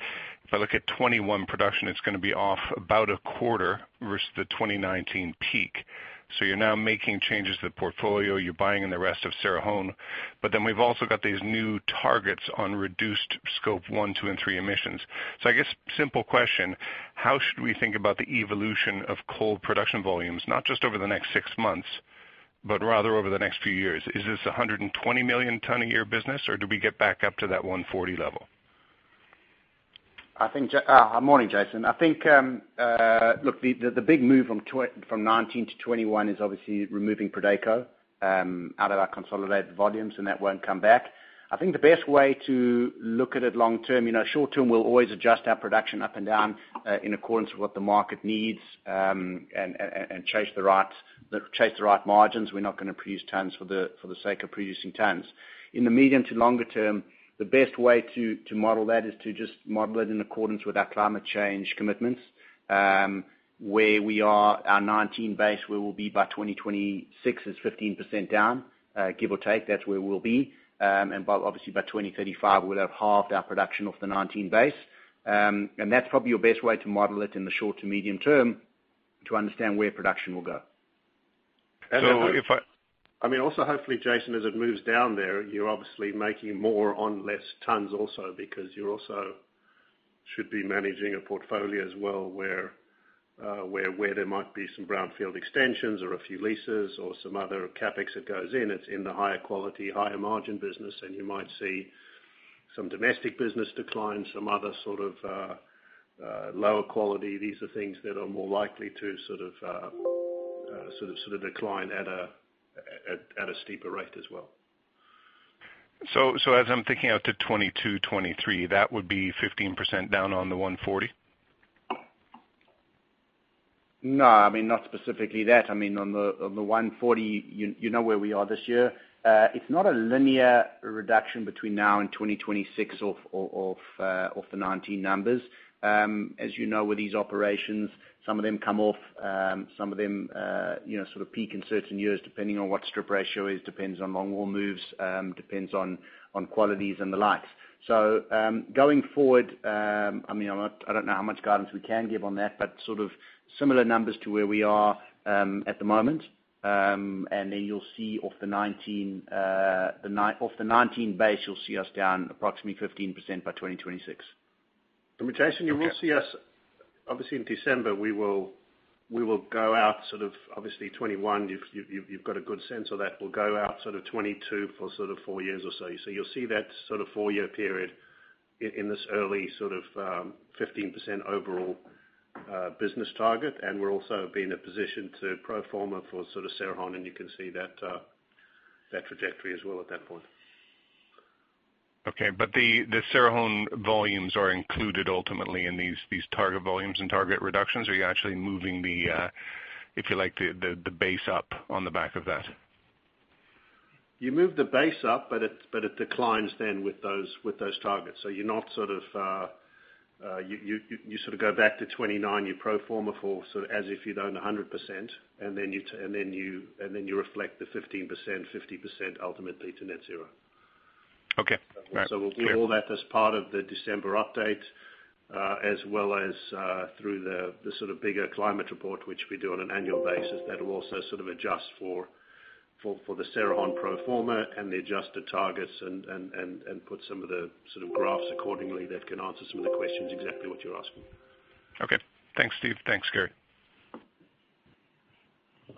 if I look at 2021 production, it's going to be off about a quarter versus the 2019 peak. You're now making changes to the portfolio, you're buying in the rest of Cerrejón. We've also got these new targets on reduced Scope 1, 2, and 3 emissions. I guess simple question, how should we think about the evolution of coal production volumes, not just over the next six months, but rather over the next few years? Is this 120 million-tonne-a-year business, or do we get back up to that 140 million tonnes level? Morning, Jason. Look, the big move from 2019-2021 is obviously removing Prodeco out of our consolidated volumes, and that won't come back. I think the best way to look at it long term, short term, we'll always adjust our production up and down in accordance with what the market needs and chase the right margins. We're not going to produce tonnes for the sake of producing tonnes. In the medium to longer term, the best way to model that is to just model it in accordance with our climate change commitments. Where we are, our 2019 base, where we'll be by 2026 is 15% down, give or take. That's where we'll be. Obviously by 2035, we'll have halved our production of the 2019 base. That's probably your best way to model it in the short to medium term. To understand where production will go. So if I- I mean, also hopefully, Jason, as it moves down there, you're obviously making more on less tonnes also because you also should be managing a portfolio as well where there might be some brownfield extensions or a few leases or some other CapEx that goes in. It's in the higher quality, higher margin business. You might see some domestic business decline, some other sort of lower quality. These are things that are more likely to sort of decline at a steeper rate as well. As I'm thinking out to 2022/2023, that would be 15% down on the 140 million tonnes? No, I mean, not specifically that. I mean, on the 140 million tonnes, you know where we are this year. It's not a linear reduction between now and 2026 off the 2019 numbers. As you know, with these operations, some of them come off, some of them sort of peak in certain years, depending on what strip ratio is, depends on long-haul moves, depends on qualities and the likes. Going forward, I don't know how much guidance we can give on that, but sort of similar numbers to where we are at the moment. You'll see off the 2019 base, you'll see us down approximately 15% by 2026. I mean, Jason, you will see obviously, in December, we will go out sort of obviously 2021. You've got a good sense of that. We'll go out sort of 2022 for sort of four years or so. You'll see that sort of four-year period in this early sort of 15% overall business target, and we'll also be in a position to pro forma for sort of Cerrejón. You can see that trajectory as well at that point. Okay. The Cerrejón volumes are included ultimately in these target volumes and target reductions? You're actually moving the, if you like, the base up on the back of that? You move the base up, but it declines then with those targets. You sort of go back to 2029, you pro forma for as if you'd own 100%, and then you reflect the 15%, 50% ultimately to net zero. Okay. All right. Clear. We'll give all that as part of the December update, as well as through the sort of bigger climate report, which we do on an annual basis that will also sort of adjust for the Cerrejón pro forma and the adjusted targets and put some of the sort of graphs accordingly that can answer some of the questions, exactly what you're asking. Okay. Thanks, Steve. Thanks, Gary.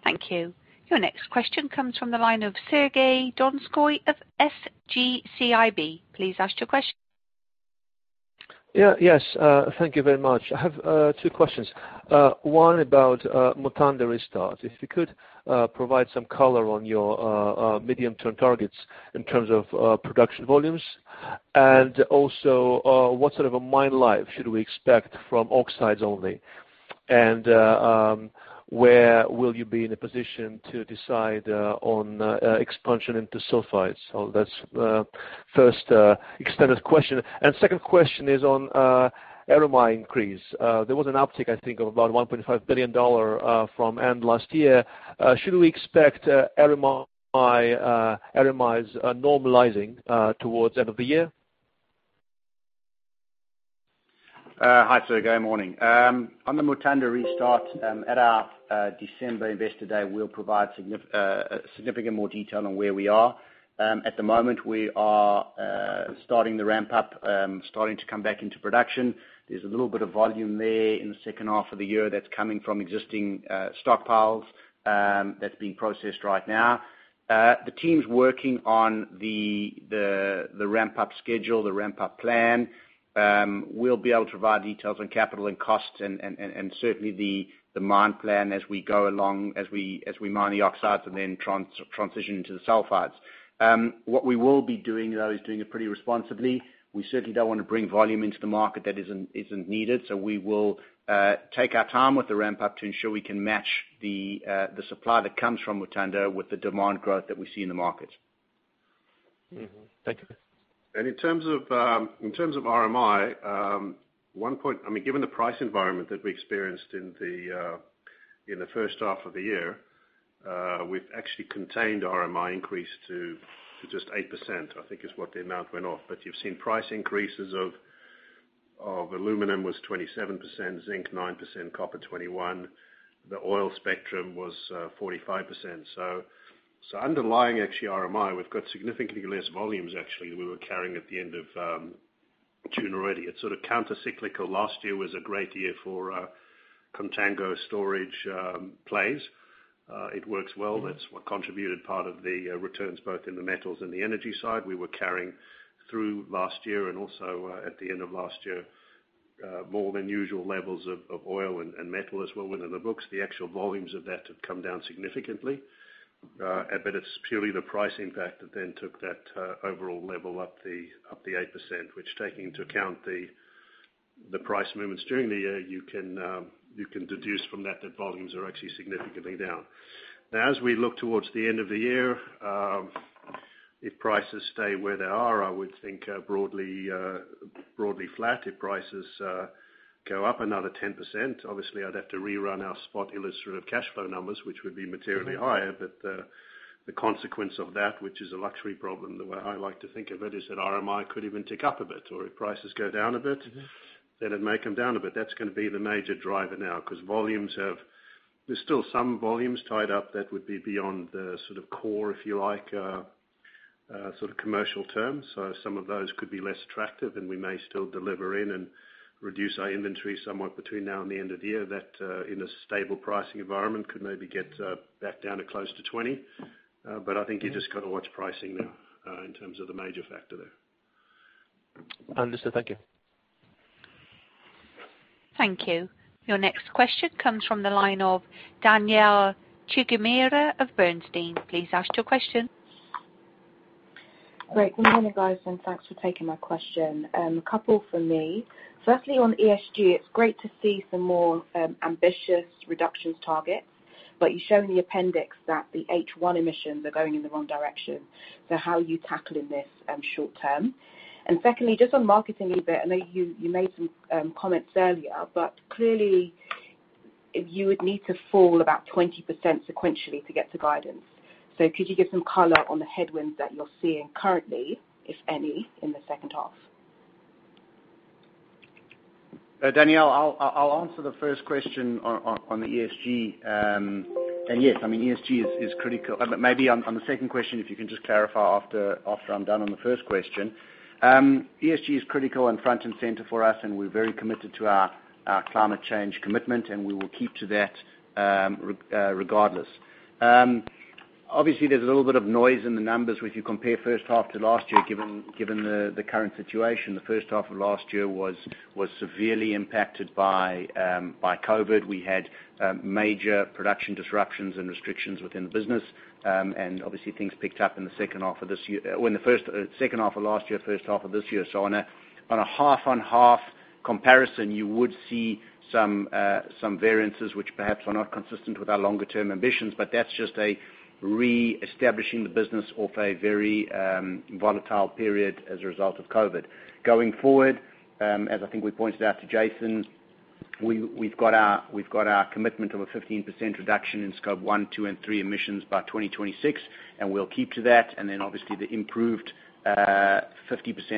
Thank you. Your next question comes from the line of Sergey Donskoy of SG CIB. Please ask your question. Yeah. Yes. Thank you very much. I have two questions. One about Mutanda restart. If you could provide some color on your medium-term targets in terms of production volumes and also what sort of a mine life should we expect from oxides only? Where will you be in a position to decide on expansion into sulfides? That's first extended question. Second question is on RMI increase. There was an uptick, I think, of about $1.5 billion from end last year. Should we expect RMI is normalizing towards end of the year? Hi, Sergey. Morning. On the Mutanda restart, at our December Investor Day, we'll provide significant more detail on where we are. At the moment, we are starting the ramp-up, starting to come back into production. There's a little bit of volume there in the second half of the year that's coming from existing stockpiles that's being processed right now. The team's working on the ramp-up schedule, the ramp-up plan. We'll be able to provide details on capital and costs and certainly the mine plan as we go along, as we mine the oxides and then transition into the sulfides. What we will be doing, though, is doing it pretty responsibly. We certainly don't want to bring volume into the market that isn't needed. We will take our time with the ramp-up to ensure we can match the supply that comes from Mutanda with the demand growth that we see in the market. Mm-hmm. Thank you. In terms of RMI, I mean, given the price environment that we experienced in the first half of the year, we've actually contained RMI increase to just 8%, I think is what the amount went off. You've seen price increases of aluminum was 27%, zinc 9%, copper 21%. The oil spectrum was 45%. Underlying actually RMI, we've got significantly less volumes actually than we were carrying at the end of June already. It's sort of counter-cyclical. Last year was a great year for contango storage plays. It works well. That's what contributed part of the returns both in the metals and the energy side we were carrying through last year and also at the end of last year, more than usual levels of oil and metal as well within the books. The actual volumes of that have come down significantly. It's purely the price impact that then took that overall level up the 8%, which taking into account the price movements during the year, you can deduce from that volumes are actually significantly down. As we look towards the end of the year, if prices stay where they are, I would think broadly flat. If prices go up another 10%, obviously I'd have to rerun our spot illustrative cash flow numbers, which would be materially higher. The consequence of that, which is a luxury problem, the way I like to think of it, is that RMI could even tick up a bit or if prices go down a bit, then it may come down a bit. That's going to be the major driver now because there's still some volumes tied up that would be beyond the core, if you like, commercial terms. Some of those could be less attractive, and we may still deliver in and reduce our inventory somewhat between now and the end of the year. That, in a stable pricing environment, could maybe get back down to close to 20%. I think you just got to watch pricing now in terms of the major factor there. Understood. Thank you. Thank you. Your next question comes from the line of Danielle Chigumira of Bernstein. Please ask your question. Great. Good morning, guys. Thanks for taking my question. A couple from me. Firstly, on ESG, it's great to see some more ambitious reductions targets. You show in the appendix that the H1 emissions are going in the wrong direction. How are you tackling this short term? Secondly, just on marketing a bit, I know you made some comments earlier. Clearly you would need to fall about 20% sequentially to get to guidance. Could you give some color on the headwinds that you're seeing currently, if any, in the second half? Danielle, I'll answer the first question on the ESG. Yes, ESG is critical. Maybe on the second question, if you can just clarify after I'm done on the first question. ESG is critical and front and center for us, and we're very committed to our climate change commitment, and we will keep to that regardless. Obviously, there's a little bit of noise in the numbers if you compare first half to last year, given the current situation. The first half of last year was severely impacted by COVID-19. We had major production disruptions and restrictions within the business. Obviously things picked up in the second half of last year, first half of this year. On a half-on-half comparison, you would see some variances which perhaps are not consistent with our longer-term ambitions. That's just a reestablishing the business of a very volatile period as a result of COVID. Going forward, as I think we pointed out to Jason, we've got our commitment of a 15% reduction in Scope 1, 2, and 3 emissions by 2026, and we'll keep to that. Obviously the improved 50%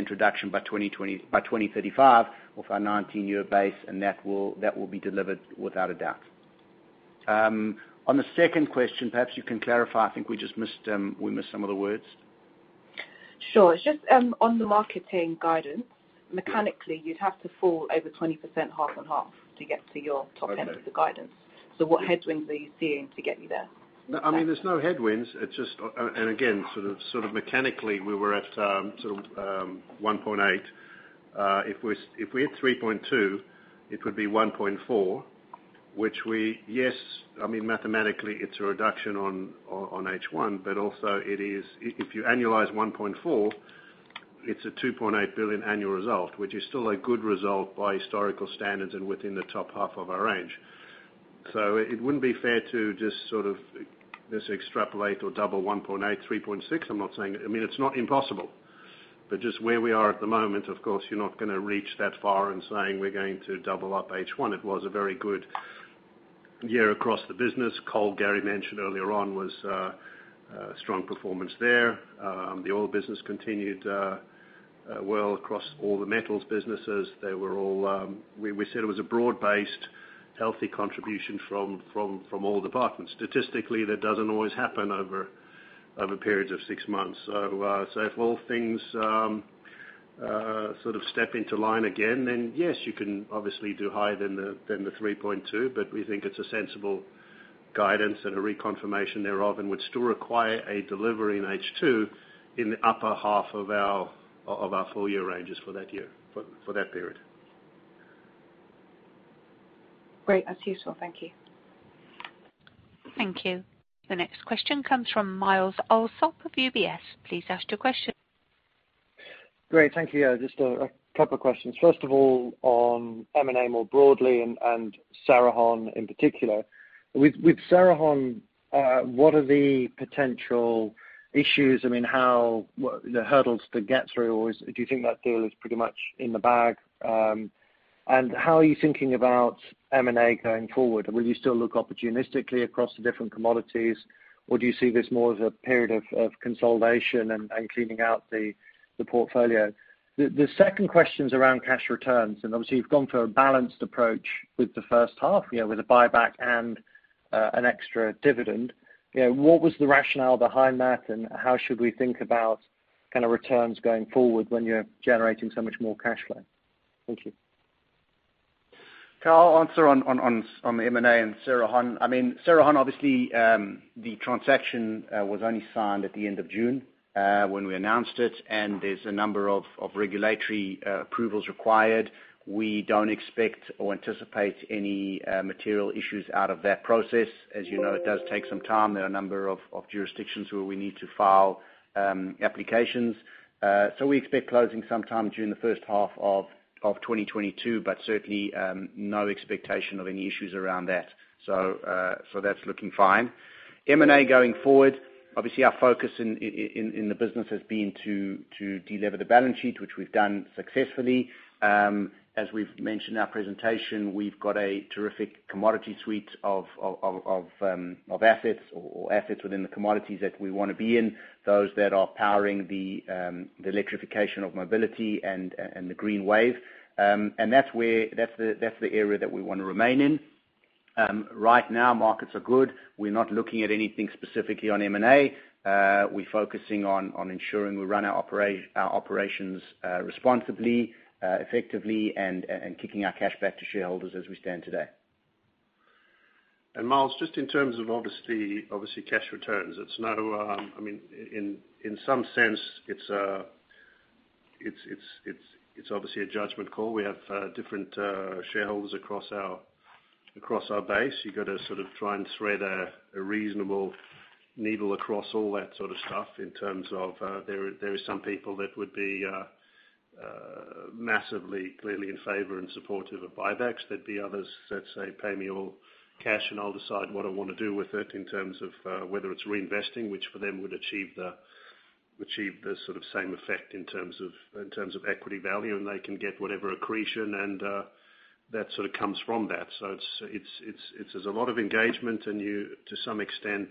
reduction by 2035 of our 19 year base, and that will be delivered without a doubt. On the second question, perhaps you can clarify. I think we missed some of the words. Sure. It's just on the marketing guidance, mechanically, you'd have to fall over 20% half-on-half to get to your top end of the guidance. Okay. What headwinds are you seeing to get you there? There's no headwinds. Again, sort of mechanically, we were at $1.8 billion. If we hit $3.2 billion, it would be $1.4 billion, which yes, mathematically it's a reduction on H1. Also, if you annualize $1.4 billion, it's a $2.8 billion annual result, which is still a good result by historical standards and within the top half of our range. It wouldn't be fair to just extrapolate or double $1.8 billion, $3.6 billion. It's not impossible. Just where we are at the moment, of course, you're not going to reach that far in saying we're going to double up H1. It was a very good year across the business. Coal, Gary mentioned earlier on, was a strong performance there. The oil business continued well across all the metals businesses. We said it was a broad-based, healthy contribution from all departments. Statistically, that doesn't always happen over periods of six months. If all things sort of step into line again, then yes, you can obviously do higher than the $3.2 billion, but we think it's a sensible guidance and a reconfirmation thereof, and would still require a delivery in H2 in the upper half of our full-year ranges for that period. Great. That's useful. Thank you. Thank you. The next question comes from Myles Allsop of UBS. Please ask your question. Great. Thank you. Just a couple of questions. First of all, on M&A more broadly and Cerrejón in particular. With Cerrejón, what are the potential issues? How the hurdles to get through, or do you think that deal is pretty much in the bag? How are you thinking about M&A going forward? Will you still look opportunistically across the different commodities, or do you see this more as a period of consolidation and cleaning out the portfolio? The second question is around cash returns. Obviously you've gone for a balanced approach with the first half, with a buyback and an extra dividend. What was the rationale behind that, and how should we think about returns going forward when you're generating so much more cash flow? Thank you. Carl, I'll answer on the M&A and Cerrejón. Cerrejón, obviously, the transaction was only signed at the end of June when we announced it. There's a number of regulatory approvals required. We don't expect or anticipate any material issues out of that process. As you know, it does take some time. There are a number of jurisdictions where we need to file applications. We expect closing sometime during the first half of 2022. Certainly no expectation of any issues around that. That's looking fine. M&A going forward, obviously our focus in the business has been to de-lever the balance sheet, which we've done successfully. As we've mentioned in our presentation, we've got a terrific commodity suite of assets or assets within the commodities that we want to be in, those that are powering the electrification of mobility and the green wave. That's the area that we want to remain in. Right now, markets are good. We're not looking at anything specifically on M&A. We're focusing on ensuring we run our operations responsibly, effectively, and kicking our cash back to shareholders as we stand today. Myles, just in terms of, obviously, cash returns. In some sense, it's obviously a judgment call. We have different shareholders across our base. You've got to try and thread a reasonable needle across all that sort of stuff in terms of, there are some people that would be massively, clearly in favor and supportive of buybacks. There'd be others that say, "Pay me all cash, and I'll decide what I want to do with it," in terms of whether it's reinvesting, which for them would achieve the sort of same effect in terms of equity value, and they can get whatever accretion and that sort of comes from that. There's a lot of engagement, and you, to some extent,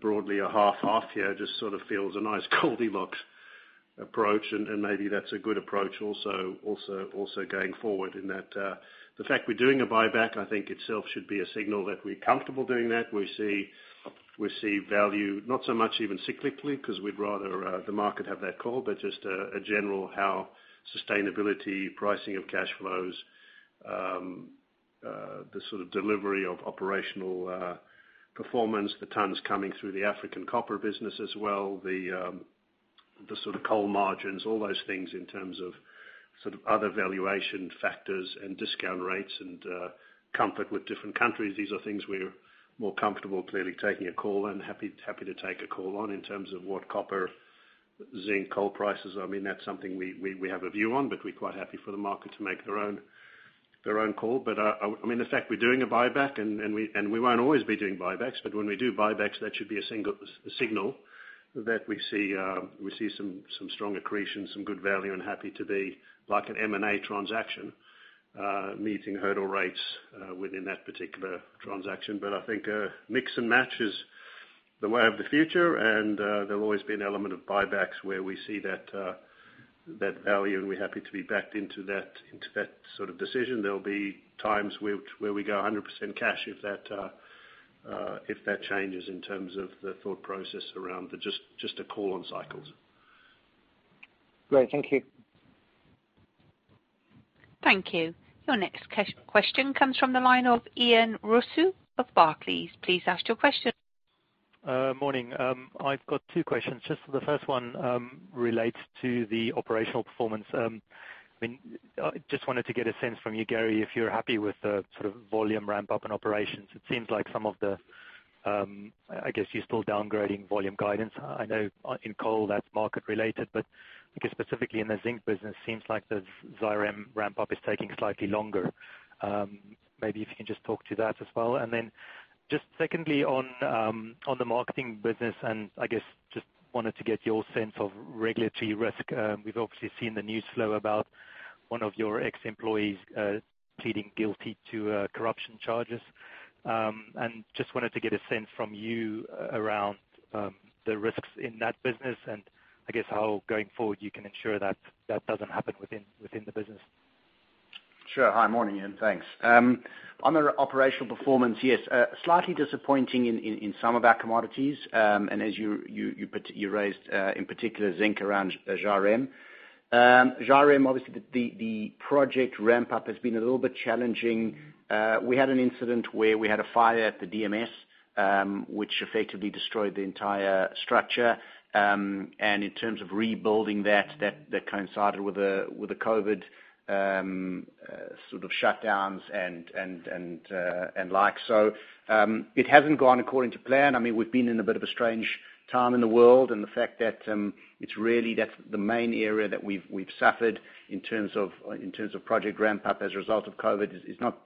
broadly a 50/50 here just sort of feels a nice goldilocks approach, and maybe that's a good approach also going forward in that the fact we're doing a buyback, I think itself should be a signal that we're comfortable doing that. We see value, not so much even cyclically, because we'd rather the market have that call, but just a general how sustainability, pricing of cash flows, the sort of delivery of operational performance, the tonnes coming through the African copper business as well, the sort of coal margins, all those things in terms of other valuation factors and discount rates and comfort with different countries. These are things we're more comfortable clearly taking a call and happy to take a call on in terms of what copper, zinc, coal prices are. That's something we have a view on, but we're quite happy for the market to make their own call. The fact we're doing a buyback, and we won't always be doing buybacks, but when we do buybacks, that should be a signal that we see some strong accretion, some good value, and happy to be, like an M&A transaction, meeting hurdle rates within that particular transaction. I think a mix and match is the way of the future, and there'll always be an element of buybacks where we see that value, and we're happy to be backed into that sort of decision. There'll be times where we go 100% cash if that changes in terms of the thought process around, but just a call on cycles. Great. Thank you. Thank you. Your next question comes from the line of Ian Rossouw of Barclays. Please ask your question. Morning. I've got two questions. The first one relates to the operational performance. I wanted to get a sense from you, Gary, if you're happy with the sort of volume ramp-up in operations. It seems like some of the I guess you're still downgrading volume guidance. In coal, that's market-related. I guess specifically in the zinc business, seems like the Zhairem ramp-up is taking slightly longer. Maybe if you can talk to that as well. Secondly, on the marketing business, wanted to get your sense of regulatory risk. We've obviously seen the news flow about one of your ex-employees pleading guilty to corruption charges. Wanted to get a sense from you around the risks in that business, how, going forward, you can ensure that that doesn't happen within the business. Sure. Hi. Morning, Ian. Thanks. On the operational performance, yes, slightly disappointing in some of our commodities. As you raised, in particular, zinc around Zhairem. Zhairem, obviously, the project ramp-up has been a little bit challenging. We had an incident where we had a fire at the DMS, which effectively destroyed the entire structure. In terms of rebuilding that coincided with the COVID sort of shutdowns and like so. It hasn't gone according to plan. We've been in a bit of a strange time in the world, the fact that it's really that's the main area that we've suffered in terms of project ramp-up as a result of COVID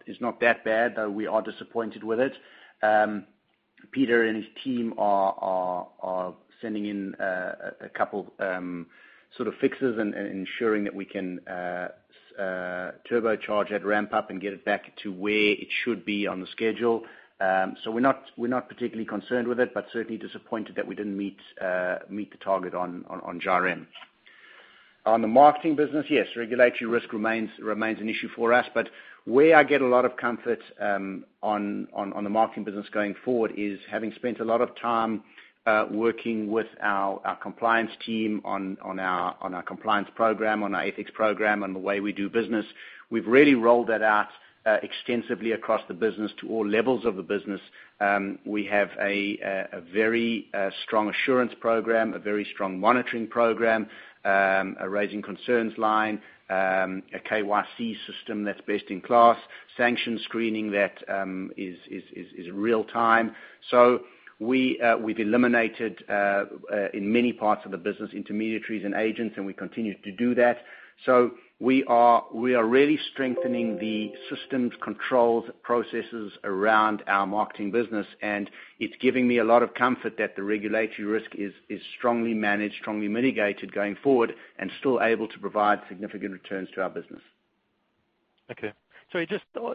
is not that bad, though we are disappointed with it. Peter and his team are sending in a couple sort of fixes and ensuring that we can turbocharge that ramp-up and get it back to where it should be on the schedule. We're not particularly concerned with it, but certainly disappointed that we didn't meet the target on Zhairem. On the marketing business, yes, regulatory risk remains an issue for us. Where I get a lot of comfort on the marketing business going forward is having spent a lot of time working with our compliance team on our compliance program, on our ethics program, on the way we do business. We've really rolled that out extensively across the business to all levels of the business. We have a very strong assurance program, a very strong monitoring program, a raising concerns line, a KYC system that's best in class, sanction screening that is real time. We've eliminated, in many parts of the business, intermediaries and agents, and we continue to do that. We are really strengthening the systems, controls, processes around our marketing business, and it's giving me a lot of comfort that the regulatory risk is strongly managed, strongly mitigated going forward, and still able to provide significant returns to our business. Okay.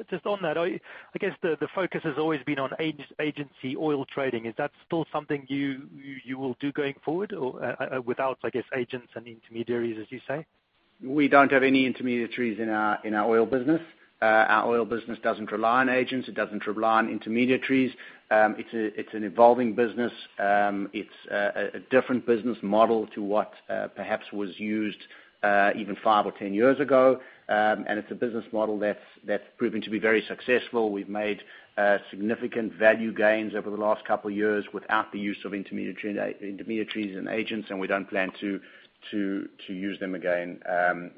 Just on that, I guess the focus has always been on agency oil trading. Is that still something you will do going forward or without, I guess, agents and intermediaries, as you say? We don't have any intermediaries in our oil business. Our oil business doesn't rely on agents. It doesn't rely on intermediaries. It's an evolving business. It's a different business model to what perhaps was used even five or 10 years ago. It's a business model that's proving to be very successful. We've made significant value gains over the last couple of years without the use of intermediaries and agents, and we don't plan to use them again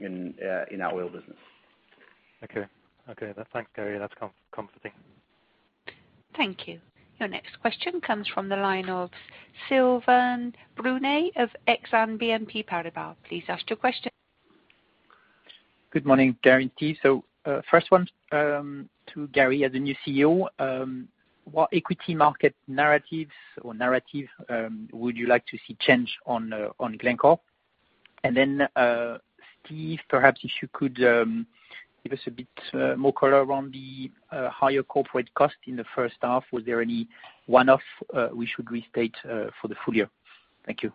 in our oil business. Okay. Thanks, Gary. That's comforting. Thank you. Your next question comes from the line of Sylvain Brunet of Exane BNP Paribas. Please ask your question. Good morning, Gary and Steve. First one to Gary, as the new CEO, what equity market narratives or narrative would you like to see change on Glencore? And then Steve, perhaps if you could give us a bit more color around the higher corporate cost in H1. Was there any one-off we should restate for the full year? Thank you.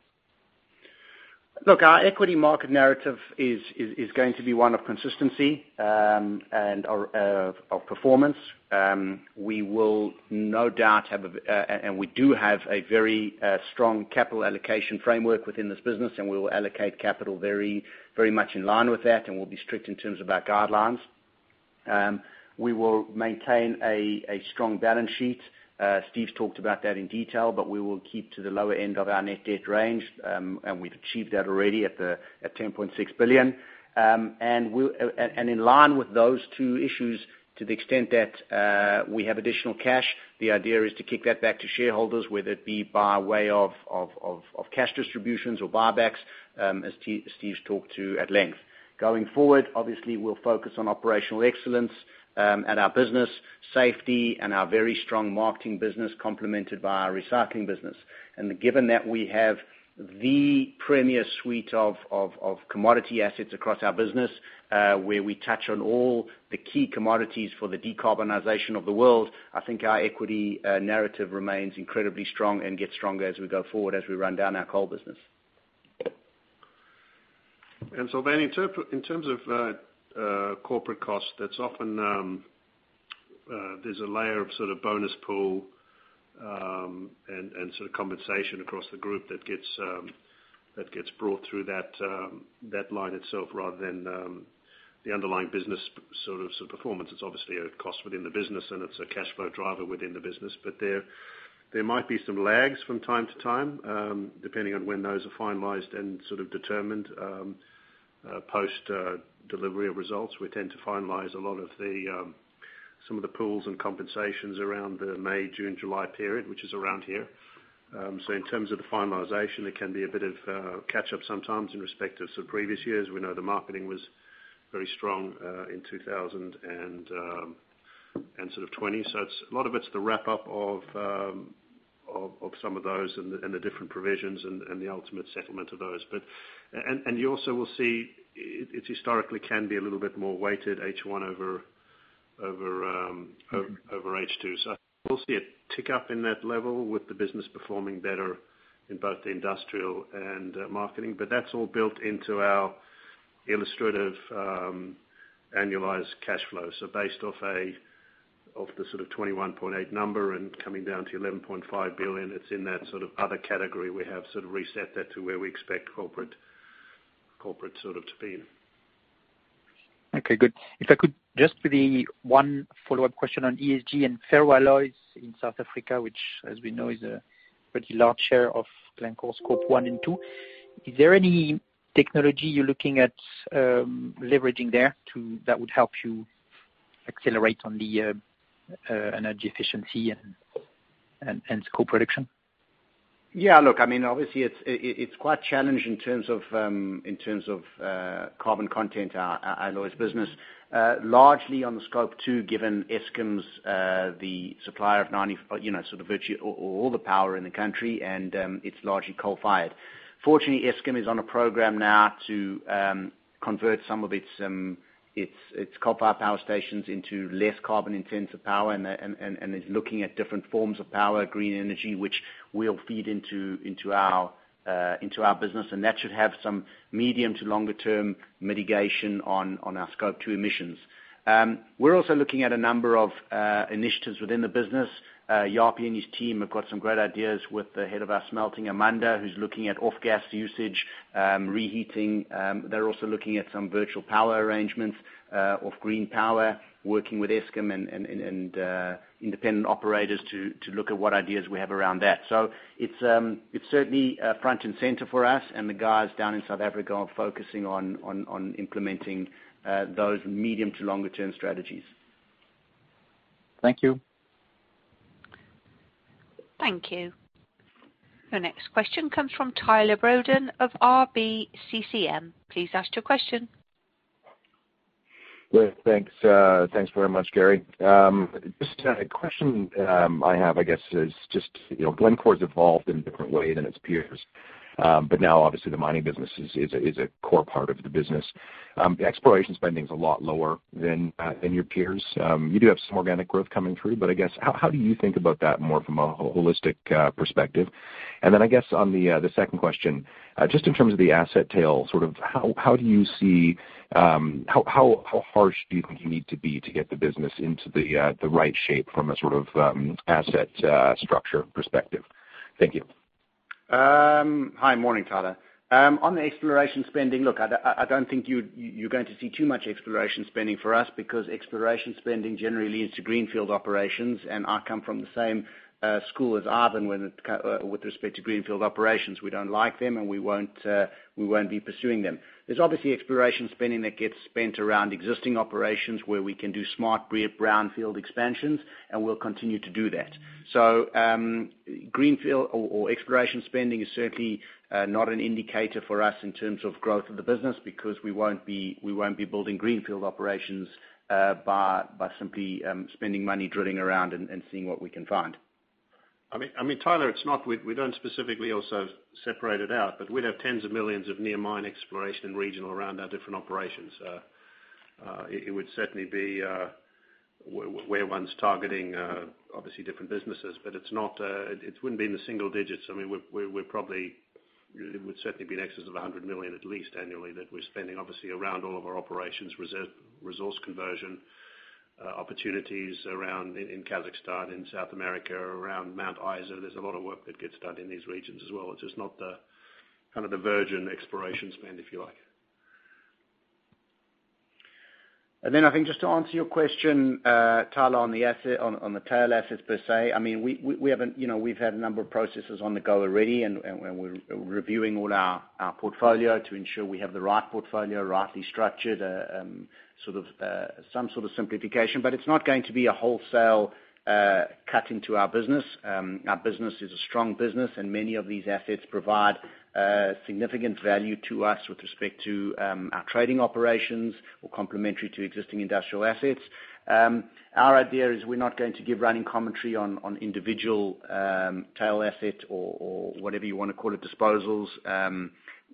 Look, our equity market narrative is going to be one of consistency and of performance. We will no doubt have, and we do have, a very strong capital allocation framework within this business, and we will allocate capital very much in line with that, and we'll be strict in terms of our guidelines. We will maintain a strong balance sheet. Steve talked about that in detail, but we will keep to the lower end of our net debt range, and we've achieved that already at $10.6 billion. In line with those two issues, to the extent that we have additional cash, the idea is to kick that back to shareholders, whether it be by way of cash distributions or buybacks, as Steve's talked to at length. Going forward, obviously, we'll focus on operational excellence at our business, safety and our very strong marketing business complemented by our recycling business. Given that we have the premier suite of commodity assets across our business where we touch on all the key commodities for the decarbonization of the world, I think our equity narrative remains incredibly strong and gets stronger as we go forward, as we run down our coal business. Sylvain, in terms of corporate cost, that's often there's a layer of sort of bonus pool and sort of compensation across the group that gets brought through that line itself rather than the underlying business sort of performance. It's obviously a cost within the business and it's a cash flow driver within the business. There might be some lags from time to time, depending on when those are finalized and sort of determined post-delivery of results. We tend to finalize some of the pools and compensations around the May, June, July period, which is around here. In terms of the finalization, it can be a bit of a catch up sometimes in respect of some previous years. We know the marketing was very strong in 2020. A lot of it's the wrap up of some of those and the different provisions and the ultimate settlement of those. You also will see it historically can be a little bit more weighted H1 over H2. We'll see a tick up in that level with the business performing better in both the industrial and marketing. That's all built into our illustrative annualized cash flow. Based off the sort of $21.8 billion number and coming down to $11.5 billion, it's in that sort of other category. We have sort of reset that to where we expect corporate sort of to be. Okay, good. If I could just do the one follow-up question on ESG and ferroalloys in South Africa, which as we know, is a pretty large share of Glencore Scope 1 and 2. Is there any technology you're looking at leveraging there that would help you accelerate on the energy efficiency and scope reduction? Yeah, look, obviously it's quite challenging in terms of carbon content, our alloys business, largely on the Scope 2, given Eskom's the supplier of all the power in the country, and it's largely coal-fired. Fortunately, Eskom is on a program now to convert some of its coal power stations into less carbon-intensive power and is looking at different forms of power, green energy, which will feed into our business, and that should have some medium to longer term mitigation on our Scope 2 emissions. We're also looking at a number of initiatives within the business. Japie and his team have got some great ideas with the head of our smelting, Amanda, who's looking at off gas usage, reheating. They're also looking at some virtual power arrangements of green power, working with Eskom and independent operators to look at what ideas we have around that. It's certainly front and center for us and the guys down in South Africa are focusing on implementing those medium to longer term strategies. Thank you. Thank you. Your next question comes from Tyler Broda of RBCCM. Please ask your question. Thanks very much, Gary. Just a question I have, I guess, is just Glencore's evolved in a different way than its peers. Now obviously the mining business is a core part of the business. Exploration spending is a lot lower than your peers. You do have some organic growth coming through, but I guess, how do you think about that more from a holistic perspective? I guess on the second question, just in terms of the asset tail, how harsh do you think you need to be to get the business into the right shape from a sort of asset structure perspective? Thank you. Hi. Morning, Tyler. On the exploration spending, look, I don't think you're going to see too much exploration spending for us because exploration spending generally leads to greenfield operations, and I come from the same school as Ivan with respect to greenfield operations. We don't like them and we won't be pursuing them. There's obviously exploration spending that gets spent around existing operations where we can do smart brownfield expansions, and we'll continue to do that. Exploration spending is certainly not an indicator for us in terms of growth of the business because we won't be building greenfield operations by simply spending money drilling around and seeing what we can find. Tyler, we don't specifically also separate it out, but we'd have 10s of millions of near mine exploration regional around our different operations. It would certainly be where one's targeting obviously different businesses, but it wouldn't be in the single digits. It would certainly be in excess of $100 million at least annually that we're spending obviously around all of our operations, resource conversion opportunities around in Kazakhstan, in South America, around Mount Isa. There's a lot of work that gets done in these regions as well. It's just not the virgin exploration spend, if you like. I think just to answer your question, Tyler, on the tail assets per se, we've had a number of processes on the go already, and we're reviewing all our portfolio to ensure we have the right portfolio rightly structured, some sort of simplification. It's not going to be a wholesale cut into our business. Our business is a strong business and many of these assets provide significant value to us with respect to our trading operations or complementary to existing industrial assets. Our idea is we're not going to give running commentary on individual tail asset or whatever you want to call it, disposals.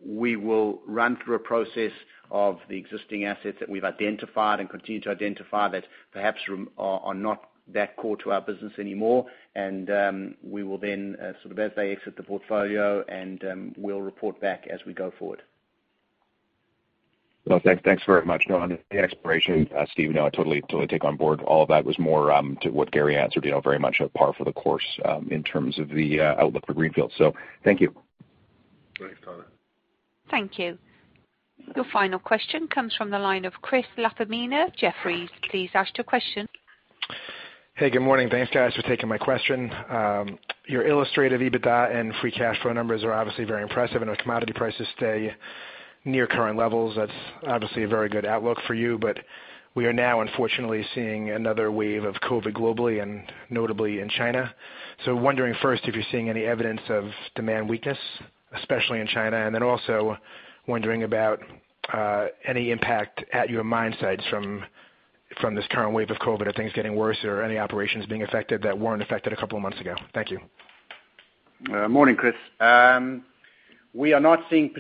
We will run through a process of the existing assets that we've identified and continue to identify that perhaps are not that core to our business anymore. We will then, sort of as they exit the portfolio, and we'll report back as we go forward. Well, thanks very much. On the exploration, Steve, I totally take on board all of that was more to what Gary answered, very much a par for the course in terms of the outlook for greenfield. Thank you. Thanks, Tyler. Thank you. Your final question comes from the line of Chris LaFemina, Jefferies. Please ask your question. Hey, good morning. Thanks, guys, for taking my question. Your illustrative EBITDA and free cash flow numbers are obviously very impressive and our commodity prices stay near current levels. That's obviously a very good outlook for you, but we are now unfortunately seeing another wave of COVID globally and notably in China. Wondering first if you're seeing any evidence of demand weakness, especially in China, and then also wondering about any impact at your mine sites from this current wave of COVID? Are things getting worse or are any operations being affected that weren't affected a couple of months ago? Thank you. Morning, Chris. We are not seeing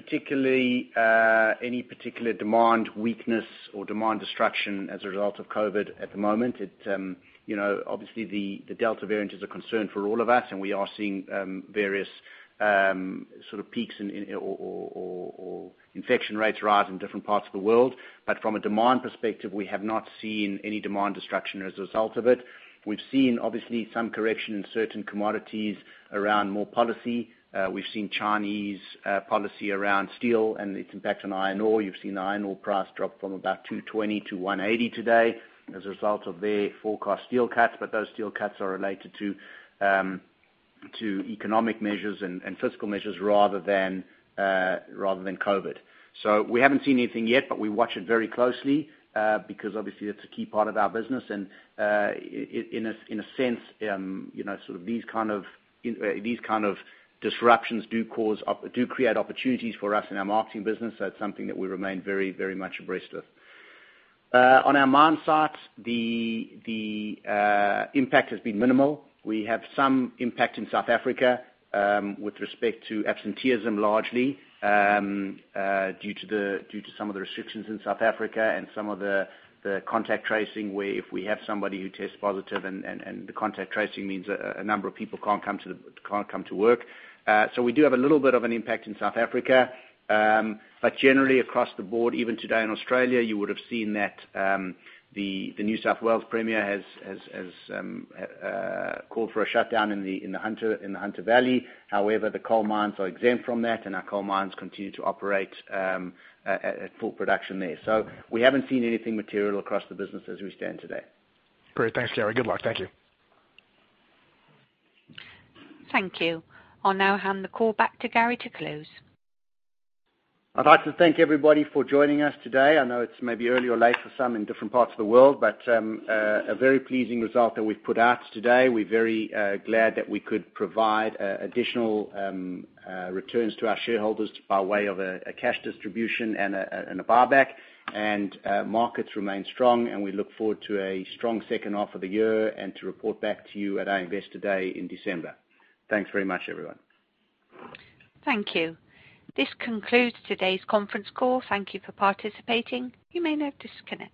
any particular demand weakness or demand destruction as a result of COVID at the moment. The Delta variant is a concern for all of us and we are seeing various sort of peaks or infection rates rise in different parts of the world. From a demand perspective, we have not seen any demand destruction as a result of it. We've seen obviously some correction in certain commodities around more policy. We've seen Chinese policy around steel and its impact on iron ore. You've seen the iron ore price drop from about $220-$180 today as a result of their forecast steel cuts. Those steel cuts are related to economic measures and fiscal measures rather than COVID. We haven't seen anything yet, but we watch it very closely, because obviously that's a key part of our business. In a sense, these kind of disruptions do create opportunities for us in our marketing business. That's something that we remain very much abreast of. On our mine sites, the impact has been minimal. We have some impact in South Africa, with respect to absenteeism largely, due to some of the restrictions in South Africa and some of the contact tracing where if we have somebody who tests positive and the contact tracing means a number of people can't come to work. We do have a little bit of an impact in South Africa. Generally across the board, even today in Australia, you would have seen that the New South Wales premier has called for a shutdown in the Hunter Valley. However, the coal mines are exempt from that and our coal mines continue to operate at full production there. We haven't seen anything material across the business as we stand today. Great. Thanks, Gary. Good luck. Thank you. Thank you. I'll now hand the call back to Gary to close. I'd like to thank everybody for joining us today. I know it's maybe early or late for some in different parts of the world, but a very pleasing result that we've put out today. We're very glad that we could provide additional returns to our shareholders by way of a cash distribution and a buyback. Markets remain strong and we look forward to a strong second half of the year and to report back to you at our Investor Day in December. Thanks very much, everyone. Thank you. This concludes today's conference call. Thank you for participating. You may now disconnect.